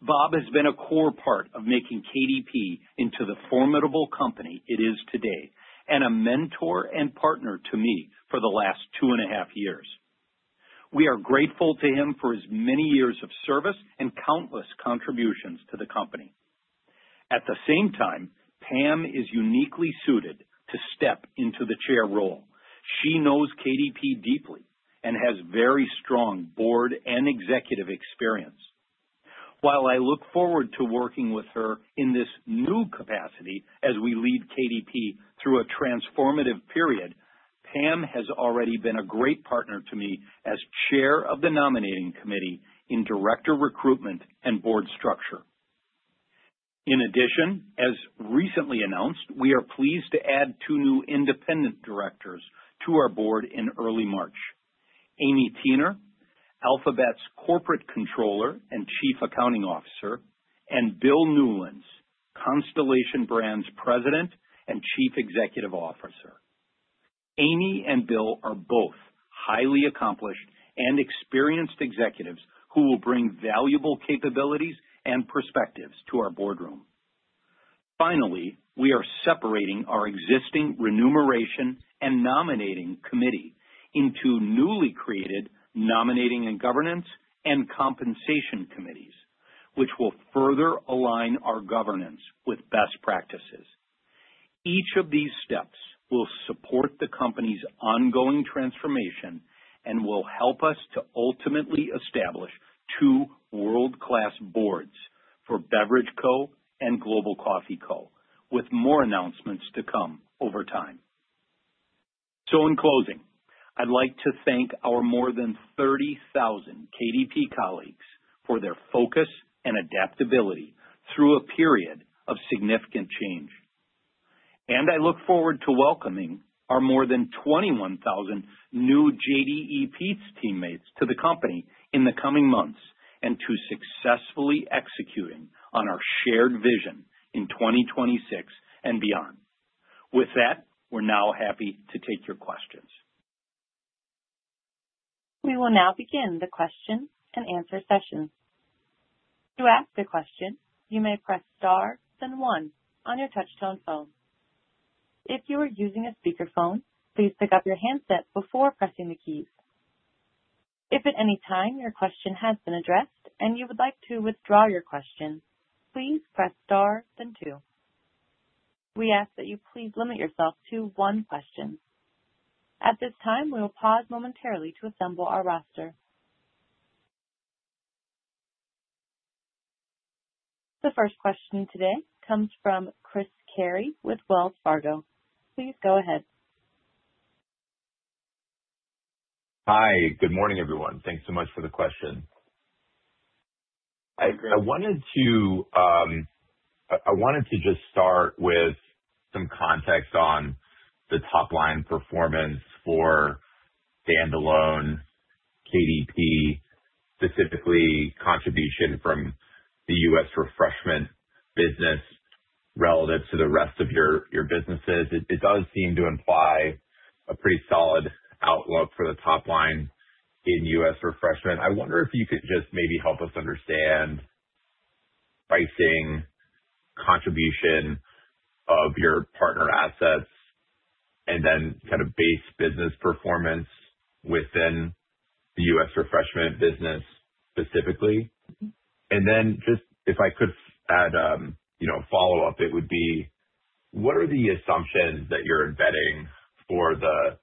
Bob has been a core part of making KDP into the formidable company it is today, and a mentor and partner to me for the last two and a half years. We are grateful to him for his many years of service and countless contributions to the company. At the same time, Pam is uniquely suited to step into the chair role. She knows KDP deeply and has very strong board and executive experience. While I look forward to working with her in this new capacity as we lead KDP through a transformative period, Pam has already been a great partner to me as Chair of the Nominating Committee in Director Recruitment and Board Structure. In addition, as recently announced, we are pleased to add two new independent directors to our board in early March. Amie Thuener, Alphabet's Corporate Controller and Chief Accounting Officer, and Bill Newlands, Constellation Brands' President and Chief Executive Officer. Amie and Bill are both highly accomplished and experienced executives who will bring valuable capabilities and perspectives to our boardroom. Finally, we are separating our existing Remuneration and Nominating Committee into newly created Nominating and Governance and Compensation Committees, which will further align our governance with best practices. Each of these steps will support the company's ongoing transformation and will help us to ultimately establish two world-class boards for Beverage Co. and Global Coffee Co., with more announcements to come over time. In closing, I'd like to thank our more than 30,000 KDP colleagues for their focus and adaptability through a period of significant change. I look forward to welcoming our more than 21,000 new JDE Peet's teammates to the company in the coming months, and to successfully executing on our shared vision in 2026 and beyond. With that, we're now happy to take your questions. We will now begin the question and answer session. To ask a question, you may press star then one on your touchtone phone. If you are using a speakerphone, please pick up your handset before pressing the keys. If at any time your question has been addressed and you would like to withdraw your question, please press star then two. We ask that you please limit yourself to one question. At this time, we will pause momentarily to assemble our roster. The first question today comes from Chris Carey with Wells Fargo. Please go ahead. Hi, good morning, everyone. Thanks so much for the question. I wanted to just start with some context on the top line performance for standalone KDP, specifically contribution from the U.S. Refreshment business relative to the rest of your businesses. It does seem to imply a pretty solid outlook for the top line in U.S. Refreshment. I wonder if you could just maybe help us understand pricing, contribution of your partner assets and then kind of base business performance within the U.S. refreshment business specifically. Just if I could add, you know, a follow-up, it would be, what are the assumptions that you're embedding for the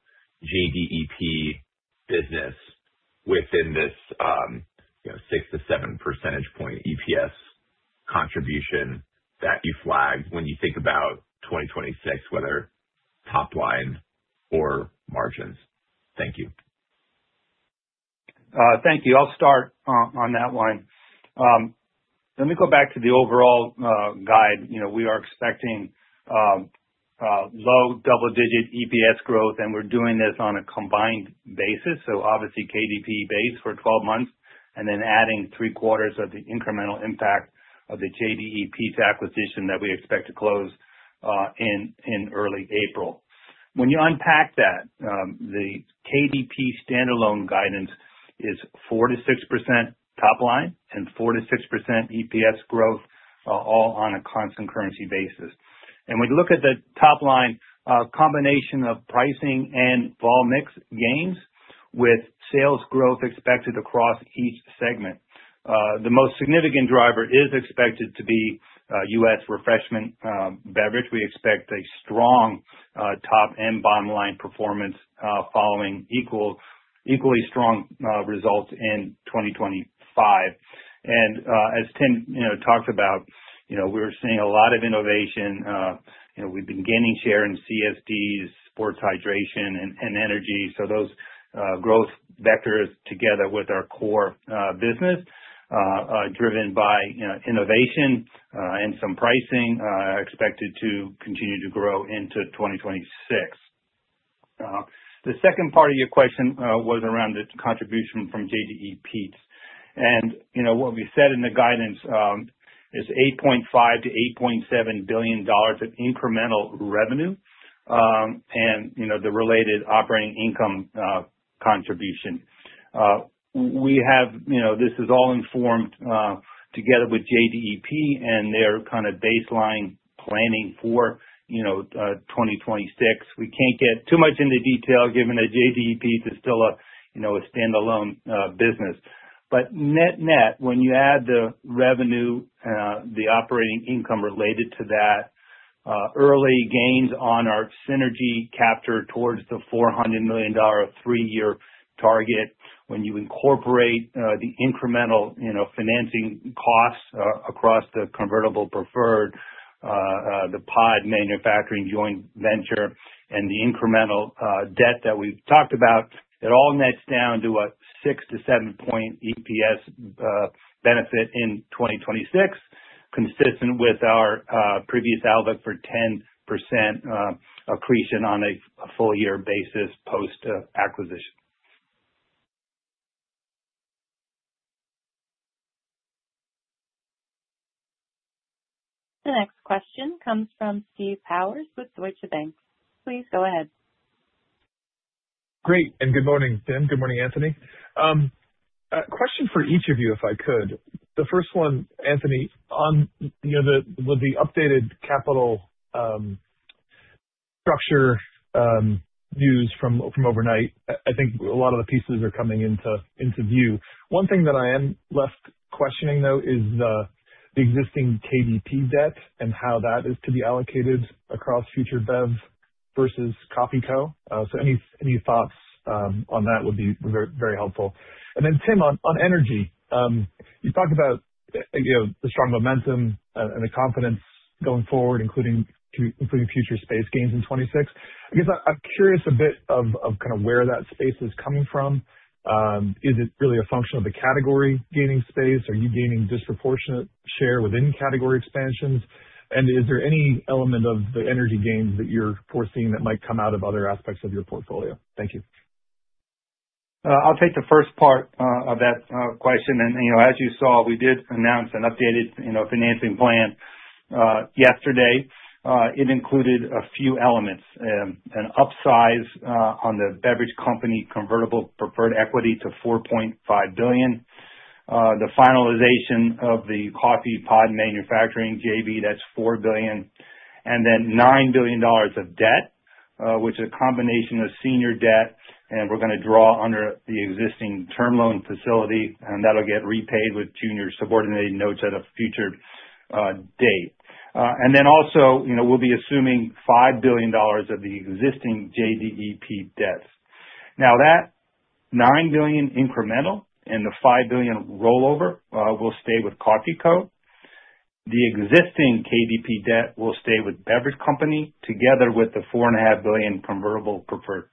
JDEP business within this, you know, 6-7 percentage point EPS contribution that you flagged when you think about 2026, whether top line or margins? Thank you. Thank you. I'll start on that one. Let me go back to the overall guide. You know, we are expecting low double-digit EPS growth, and we're doing this on a combined basis. Obviously KDP base for 12 months, and then adding three quarters of the incremental impact of the JDE Peet's acquisition that we expect to close in early April. When you unpack that, the KDP standalone guidance is 4%-6% top line and 4%-6% EPS growth, all on a constant currency basis. We look at the top line, combination of pricing and volume mix gains with sales growth expected across each segment. The most significant driver is expected to be U.S. Refreshment Beverages. We expect a strong top and bottom line performance following equally strong results in 2025. As Tim, you know, talked about, you know, we're seeing a lot of innovation. You know, we've been gaining share in CSDs, sports hydration, and energy. Those growth vectors together with our core business are driven by, you know, innovation and some pricing, are expected to continue to grow into 2026. The second part of your question was around the contribution from JDE Peet's. You know, what we said in the guidance is $8.5 billion-$8.7 billion of incremental revenue and, you know, the related operating income contribution. We have, you know, this is all informed, together with JDEP and their kind of baseline planning for, you know, 2026. We can't get too much into detail, given that JDEP is still a, you know, a standalone business. Net-net, when you add the revenue, the operating income related to that, early gains on our synergy capture towards the $400 million three-year target. When you incorporate, the incremental, you know, financing costs across the convertible preferred, the Pod Manufacturing JV and the incremental debt that we've talked about, it all nets down to a 6-7 point EPS benefit in 2026, consistent with our previous outlook for 10% accretion on a full year basis, post acquisition. The next question comes from Steve Powers with Deutsche Bank. Please go ahead. Great, good morning, Tim. Good morning, Anthony. A question for each of you, if I could. The first one, Anthony, on, you know, the, with the updated capital structure news from overnight, I think a lot of the pieces are coming into view. One thing that I am left questioning, though, is the existing KDP debt and how that is to be allocated across Future Bev versus Coffee Co. Any thoughts on that would be very helpful. Tim, on energy. You talked about, you know, the strong momentum and the confidence going forward, including future space gains in 2026. I guess I'm curious a bit of kind of where that space is coming from. Is it really a function of the category gaining space? Are you gaining disproportionate share within category expansions? Is there any element of the energy gains that you're foreseeing that might come out of other aspects of your portfolio? Thank you. I'll take the first part of that question. You know, as you saw, we did announce an updated, you know, financing plan yesterday. It included a few elements, an upsize on the Beverage Co. convertible preferred equity to $4.5 billion. The finalization of the Pod Manufacturing JV, that's $4 billion, and then $9 billion of debt, which is a combination of senior debt, and we're gonna draw under the existing term loan facility, and that'll get repaid with junior subordinated notes at a future date. Also, you know, we'll be assuming $5 billion of the existing JDEP debt. That $9 billion incremental and the $5 billion rollover will stay with Coffee Co. The existing KDP debt will stay with Beverage Company, together with the four and a half billion convertible preferred.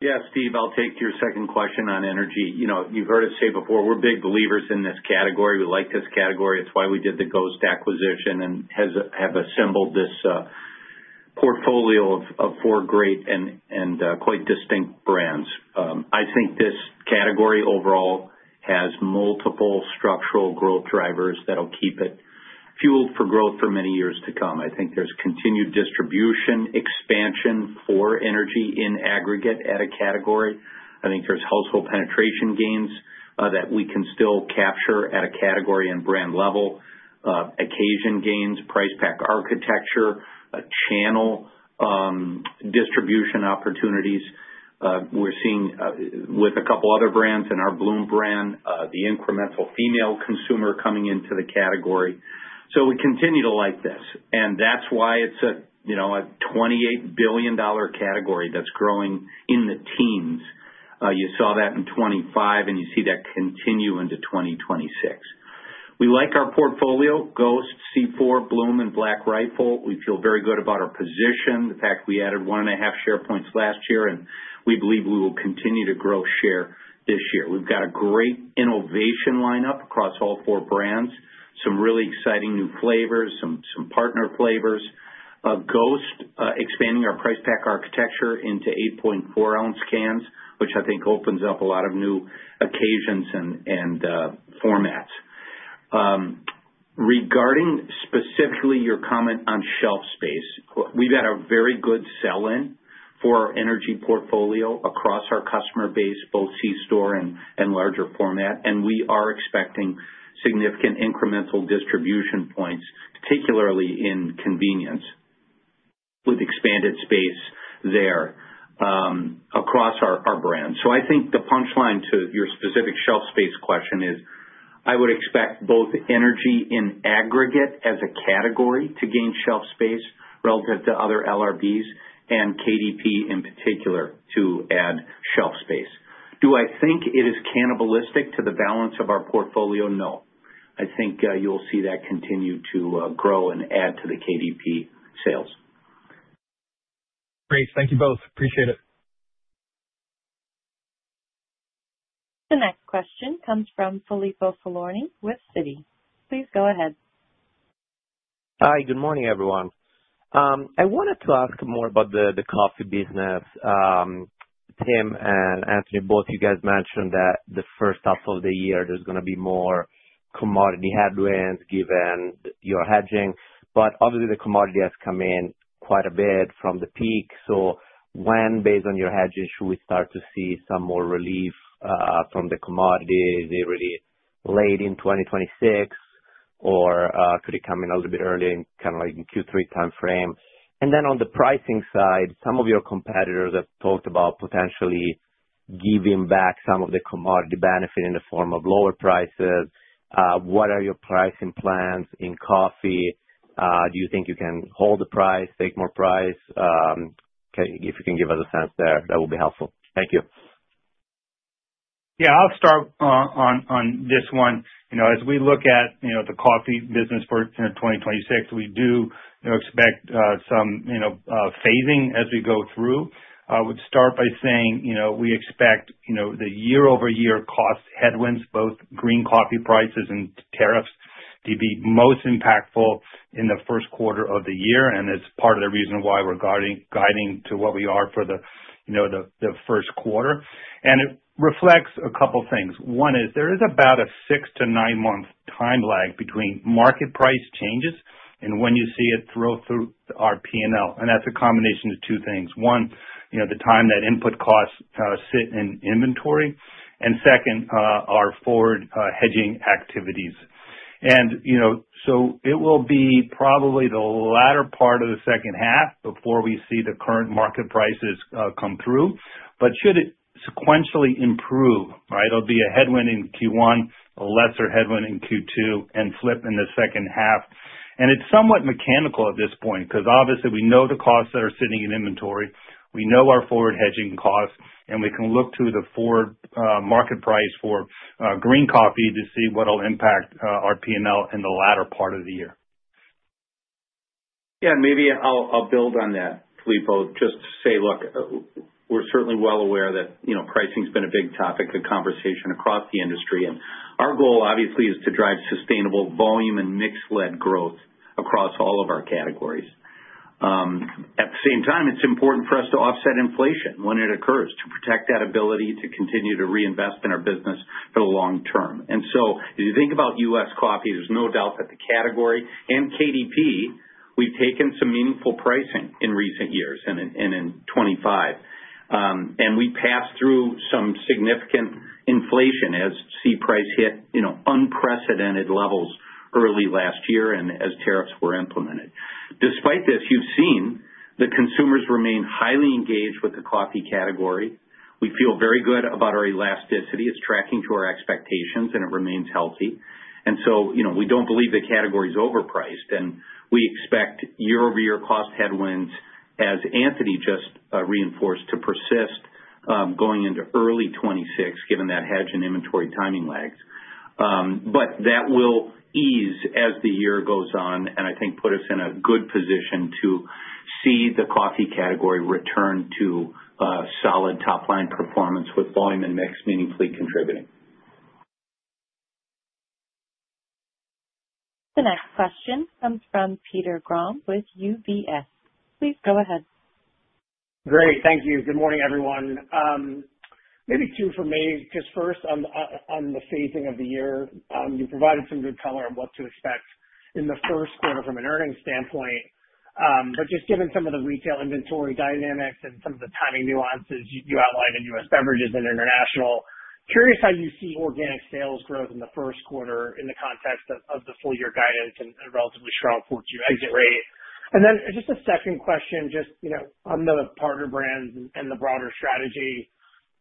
Yeah, Steve, I'll take your second question on energy. You know, you've heard us say before, we're big believers in this category. We like this category. It's why we did the GHOST acquisition and have assembled this portfolio of four great and quite distinct brands. I think this category overall has multiple structural growth drivers that'll keep it fueled for growth for many years to come. I think there's continued distribution expansion for energy in aggregate at a category. I think there's household penetration gains that we can still capture at a category and brand level, occasion gains, price pack architecture, channel distribution opportunities. We're seeing with a couple other brands in our Bloom brand, the incremental female consumer coming into the category. We continue to like this, and that's why it's a, you know, a $28 billion category that's growing in the teens. You saw that in 2025, and you see that continue into 2026. We like our portfolio, GHOST, C4, Bloom and Black Rifle. We feel very good about our position. In fact, we added one and a half share points last year, and we believe we will continue to grow share this year. We've got a great innovation lineup across all four brands, some really exciting new flavors, some partner flavors. GHOST, expanding our price pack architecture into 8.4 ounce cans, which I think opens up a lot of new occasions and formats. Regarding specifically your comment on shelf space, we've had a very good sell-in for our energy portfolio across our customer base, both C-store and larger format, and we are expecting significant incremental distribution points, particularly in convenience, with expanded space there, across our brands. I think the punchline to your specific shelf space question is, I would expect both energy in aggregate as a category to gain shelf space relative to other LRBs and KDP in particular to add shelf space. Do I think it is cannibalistic to the balance of our portfolio? No. I think you'll see that continue to grow and add to the KDP sales. Great. Thank you both. Appreciate it. The next question comes from Filippo Falorni with Citi. Please go ahead. Hi, good morning, everyone. I wanted to ask more about the coffee business. Tim and Anthony, both you guys mentioned that the first half of the year, there's gonna be more commodity headwinds given your hedging, but obviously the commodity has come in quite a bit from the peak. When, based on your hedges, should we start to see some more relief from the commodity? Is it really late in 2026, or could it come in a little bit early, in kind of like in Q3 timeframe? On the pricing side, some of your competitors have talked about potentially giving back some of the commodity benefit in the form of lower prices. What are your pricing plans in coffee? Do you think you can hold the price, take more price? If you can give us a sense there, that would be helpful. Thank you. I'll start on this one. You know, as we look at, you know, the coffee business for kind of 2026, we do expect, you know, some, you know, phasing as we go through. I would start by saying, you know, we expect, you know, the year-over-year cost headwinds, both green coffee prices and tariffs to be most impactful in the first quarter of the year, and it's part of the reason why we're guiding to what we are for the, you know, the first quarter. It reflects a couple things. One is, there is about a six to nine-month time lag between market price changes and when you see it through our P&L, and that's a combination of two things: one, you know, the time that input costs sit in inventory, and second, our forward hedging activities. You know, it will be probably the latter part of the second half before we see the current market prices come through. Should it sequentially improve, right, it'll be a headwind in Q1, a lesser headwind in Q2, and flip in the second half. It's somewhat mechanical at this point, 'cause obviously we know the costs that are sitting in inventory, we know our forward hedging costs, and we can look to the forward market price for green coffee to see what will impact our P&L in the latter part of the year. Yeah, maybe I'll build on that, Filippo. Just to say, look, we're certainly well aware that, you know, pricing's been a big topic of conversation across the industry, our goal, obviously, is to drive sustainable volume and mix-led growth across all of our categories. At the same time, it's important for us to offset inflation when it occurs, to protect that ability to continue to reinvest in our business for the long term. As you think about U.S. Coffee, there's no doubt that the category and KDP, we've taken some meaningful pricing in recent years and in 2025. We passed through some significant inflation as C-price hit, you know, unprecedented levels early last year and as tariffs were implemented. Despite this, you've seen that consumers remain highly engaged with the coffee category. We feel very good about our elasticity. It's tracking to our expectations, and it remains healthy. You know, we don't believe the category is overpriced, and we expect year-over-year cost headwinds, as Anthony just reinforced, to persist, going into early 2026, given that hedge and inventory timing lags. But that will ease as the year goes on, and I think put us in a good position to see the coffee category return to solid top line performance with volume and mix meaningfully contributing. The next question comes from Peter Grom with UBS. Please go ahead. Great. Thank you. Good morning, everyone. Maybe two for me, just first on the phasing of the year. You provided some good color on what to expect in the first quarter from an earnings standpoint. Just given some of the retail inventory dynamics and some of the timing nuances you outlined in U.S. Refreshment Beverages and International, curious how you see organic sales growth in the first quarter in the context of the full year guidance and relatively strong fourth year exit rate? Then just a second question, just, you know, on the partner brands and the broader strategy.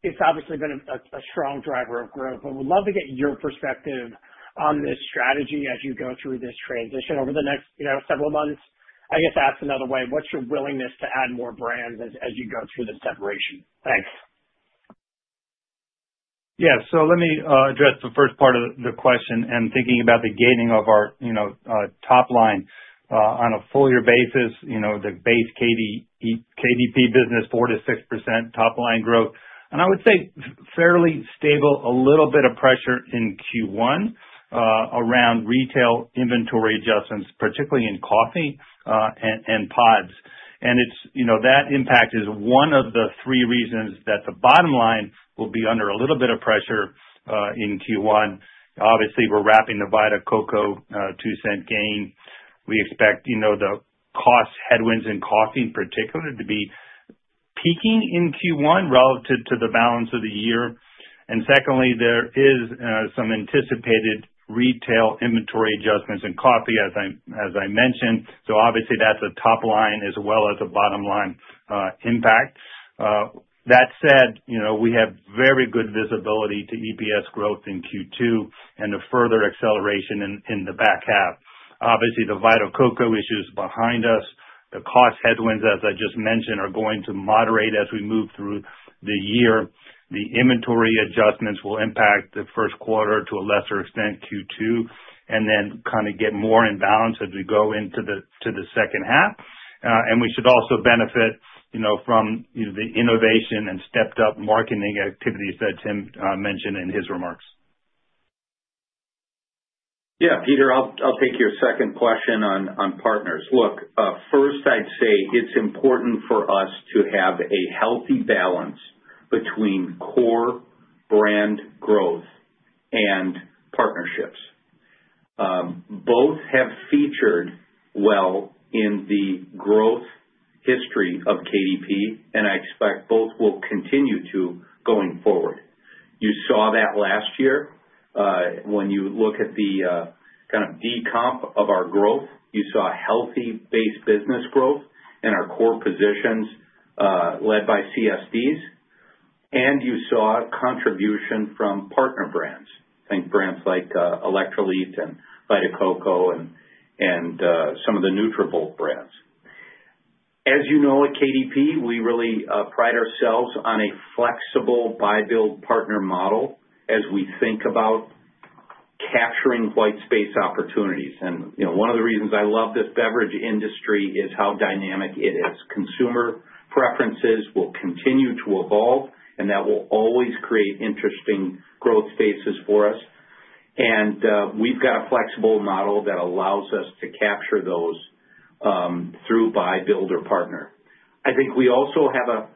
It's obviously been a strong driver of growth, but would love to get your perspective on this strategy as you go through this transition over the next, you know, several months. I guess, asked another way, what's your willingness to add more brands as you go through the separation? Thanks. Yeah. Let me address the first part of the question and thinking about the gaining of our, you know, top line. On a full year basis, you know, the base KDP business, 4%-6% top line growth, and I would say fairly stable, a little bit of pressure in Q1 around retail inventory adjustments, particularly in coffee and pods. It's, you know, that impact is one of the three reasons that the bottom line will be under a little bit of pressure in Q1. Obviously, we're wrapping the Vita Coco $0.02 gain. We expect, you know, the cost headwinds in coffee, in particular, to be peaking in Q1 relative to the balance of the year. Secondly, there is some anticipated retail inventory adjustments in coffee, as I mentioned, obviously that's a top line as well as a bottom line impact. That said, you know, we have very good visibility to EPS growth in Q2 and a further acceleration in the back half. Obviously, The Vita Coco issue is behind us. The cost headwinds, as I just mentioned, are going to moderate as we move through the year. The inventory adjustments will impact the first quarter, to a lesser extent, Q2, and then kind of get more in balance as we go into the second half. We should also benefit, you know, from, you know, the innovation and stepped-up marketing activities that Tim mentioned in his remarks. Yeah, Peter, I'll take your second question on partners. Look, first I'd say it's important for us to have a healthy balance between core brand growth and partnerships. Both have featured well in the growth history of KDP, and I expect both will continue to, going forward. You saw that last year, when you look at the kind of decomp of our growth, you saw healthy base business growth in our core positions, led by CSDs, and you saw contribution from partner brands. Think brands like Electrolit and Vita Coco and some of the NutriBullet brands. As you know, at KDP, we really pride ourselves on a flexible buy-build partner model as we think about capturing white space opportunities. You know, one of the reasons I love this beverage industry is how dynamic it is. Consumer preferences will continue to evolve, and that will always create interesting growth spaces for us. We've got a flexible model that allows us to capture those through buy, build or partner. I think we also have a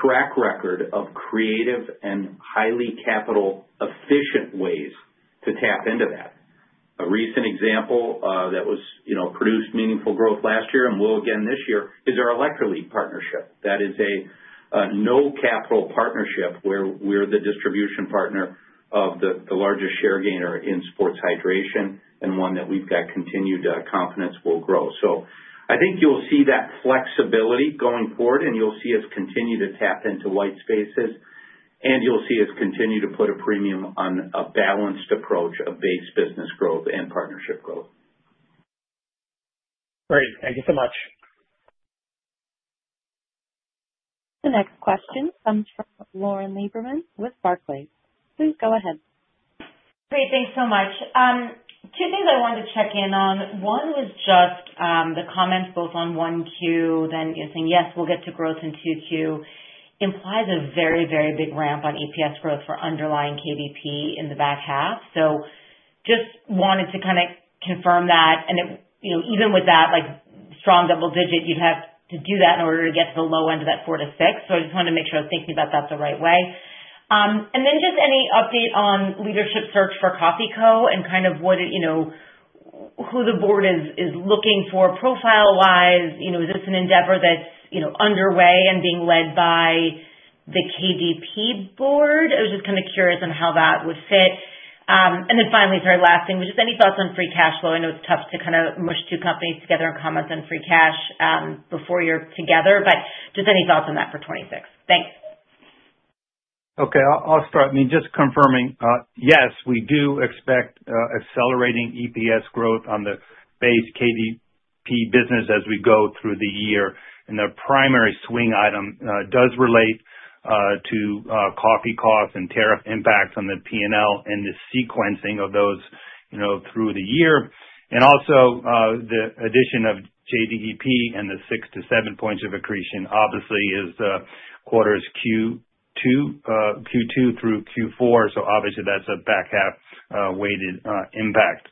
track record of creative and highly capital efficient ways to tap into that. A recent example that was, you know, produced meaningful growth last year and will again this year, is our Electrolit partnership. That is a no capital partnership where we're the distribution partner of the largest share gainer in sports hydration and one that we've got continued confidence will grow. I think you'll see that flexibility going forward, and you'll see us continue to tap into white spaces, and you'll see us continue to put a premium on a balanced approach of base business growth and partnership growth. Great. Thank you so much. The next question comes from Lauren Lieberman with Barclays. Please go ahead. Great, thanks so much. Two things I wanted to check in on. One was just, the comments both on 1Q, then you're saying, "Yes, we'll get to growth in 2Q," implies a very, very big ramp on EPS growth for underlying KDP in the back half. Just wanted to kind of confirm that. You know, even with that, like, strong double digit, you'd have to do that in order to get to the low end of that 4%-6%. I just wanted to make sure I was thinking about that the right way. Then just any update on leadership search for Coffee Co. and kind of what it, you know, who the board is looking for profile-wise. You know, is this an endeavor that's, you know, underway and being led by the KDP board? I was just kind of curious on how that would fit. Then finally, very last thing, which is any thoughts on free cash flow? I know it's tough to kind of mush two companies together and comment on free cash, before you're together, but just any thoughts on that for 2026? Thanks. Okay, I'll start. I mean, just confirming, yes, we do expect accelerating EPS growth on the base KDP business as we go through the year, the primary swing item does relate to coffee costs and tariff impacts on the P&L and the sequencing of those, you know, through the year. Also, the addition of JDEP and the six to seven points of accretion obviously is quarters Q2 through Q4. Obviously that's a back half weighted impact.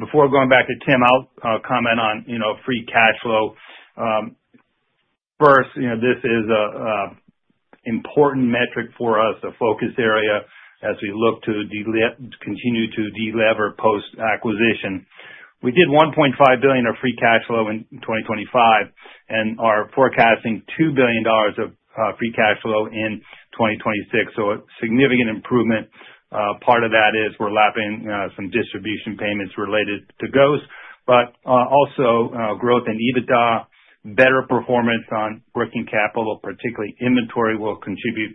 Before going back to Tim, I'll comment on, you know, free cash flow. First, you know, this is an important metric for us, a focus area as we look to continue to delever post-acquisition. We did $1.5 billion of free cash flow in 2025, and are forecasting $2 billion of free cash flow in 2026, so a significant improvement. Part of that is we're lapping some distribution payments related to GHOST, but also growth in EBITDA. Better performance on working capital, particularly inventory, will contribute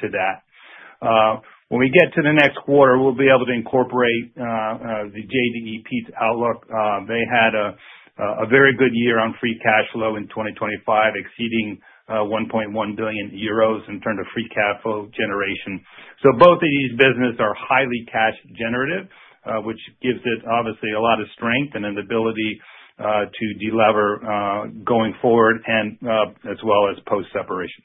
to that. When we get to the next quarter, we'll be able to incorporate the JDE Peet's outlook. They had a very good year on free cash flow in 2025, exceeding 1.1 billion euros in terms of free cash flow generation. Both of these businesses are highly cash generative, which gives it obviously a lot of strength and an ability to delever going forward as well as post-separation.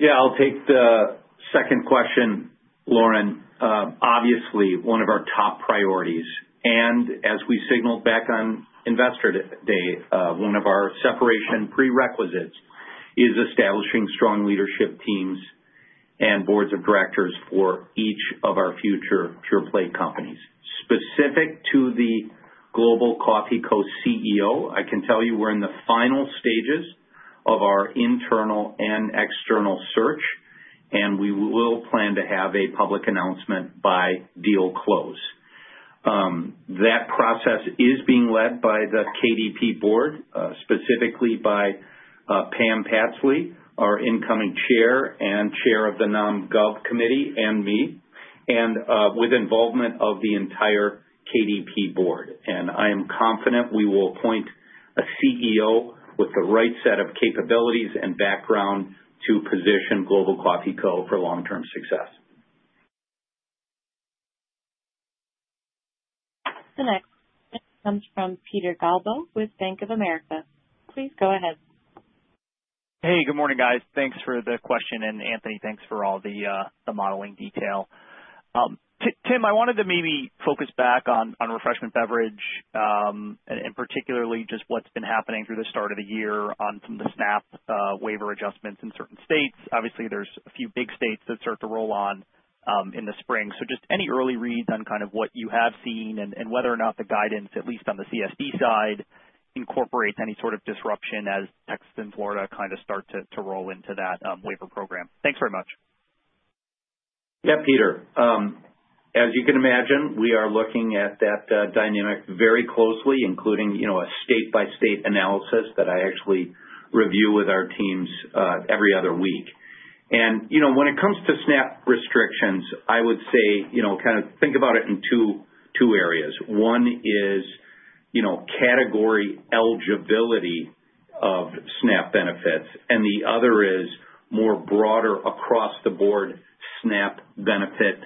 Yeah, I'll take the second question, Lauren. Obviously, one of our top priorities, and as we signaled back on Investor Day, one of our separation prerequisites is establishing strong leadership teams and boards of directors for each of our future pure play companies. Specific to the Global Coffee Co. CEO, I can tell you we're in the final stages of our internal and external search, and we will plan to have a public announcement by deal close. That process is being led by the KDP board, specifically by Pam Patsley, our incoming chair and chair of the Nom/Gov committee, and me, with involvement of the entire KDP board. I am confident we will appoint a CEO with the right set of capabilities and background to position Global Coffee Co. for long-term success. The next comes from Peter Galbo with Bank of America. Please go ahead. Hey, good morning, guys. Thanks for the question, and Anthony, thanks for all the modeling detail. Tim, I wanted to maybe focus back on Refreshment Beverage, and particularly just what's been happening through the start of the year on some of the SNAP waiver adjustments in certain states. Obviously, there's a few big states that start to roll on in the spring. Just any early reads on kind of what you have seen and whether or not the guidance, at least on the CSD side, incorporates any sort of disruption as Texas and Florida kind of start to roll into that waiver program. Thanks very much. Yeah, Peter. As you can imagine, we are looking at that dynamic very closely, including, you know, a state-by-state analysis that I actually review with our teams every other week. You know, when it comes to SNAP restrictions, I would say, you know, kind of think about it in two areas. One is, you know, category eligibility of SNAP benefits, and the other is more broader across the board SNAP benefit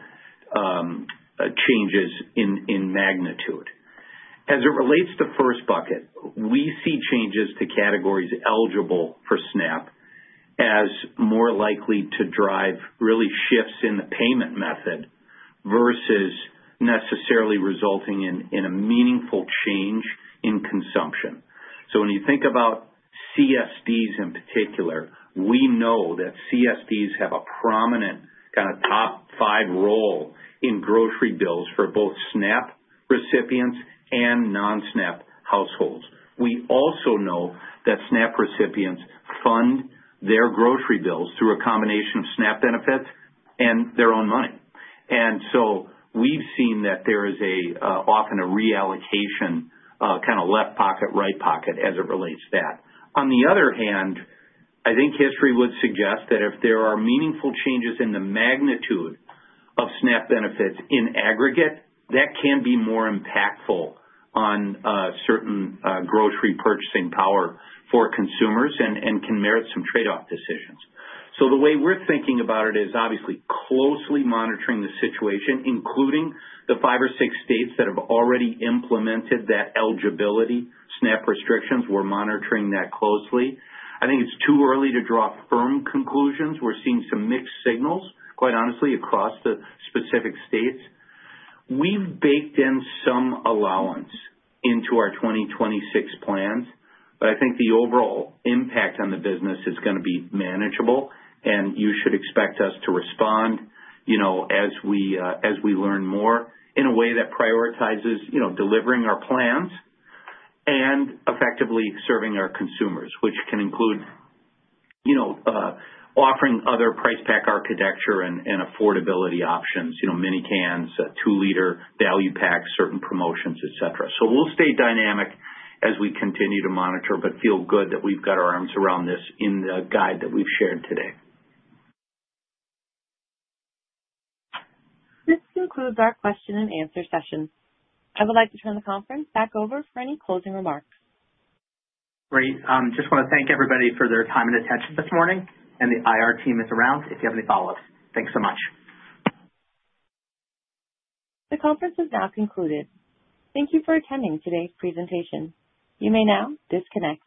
changes in magnitude. As it relates to first bucket, we see changes to categories eligible for SNAP as more likely to drive really shifts in the payment method versus necessarily resulting in a meaningful change in consumption. When you think about CSDs in particular, we know that CSDs have a prominent kind of top five role in grocery bills for both SNAP recipients and non-SNAP households. We also know that SNAP recipients fund their grocery bills through a combination of SNAP benefits and their own money. We've seen that there is a often a reallocation, kind of left pocket, right pocket, as it relates to that. On the other hand, I think history would suggest that if there are meaningful changes in the magnitude of SNAP benefits in aggregate, that can be more impactful on certain grocery purchasing power for consumers and can merit some trade-off decisions. The way we're thinking about it is, obviously, closely monitoring the situation, including the five or six states that have already implemented that eligibility, SNAP restrictions, we're monitoring that closely. I think it's too early to draw firm conclusions. We're seeing some mixed signals, quite honestly, across the specific states. We've baked in some allowance into our 2026 plans. I think the overall impact on the business is gonna be manageable. You should expect us to respond, you know, as we learn more in a way that prioritizes, you know, delivering our plans and effectively serving our consumers. Which can include, you know, offering other price pack architecture and affordability options, you know, mini cans, 2-liter value packs, certain promotions, et cetera. We'll stay dynamic as we continue to monitor, feel good that we've got our arms around this in the guide that we've shared today. This concludes our question and answer session. I would like to turn the conference back over for any closing remarks. Great. Just wanna thank everybody for their time and attention this morning. The IR team is around if you have any follow-ups. Thanks so much. The conference is now concluded. Thank you for attending today's presentation. You may now disconnect.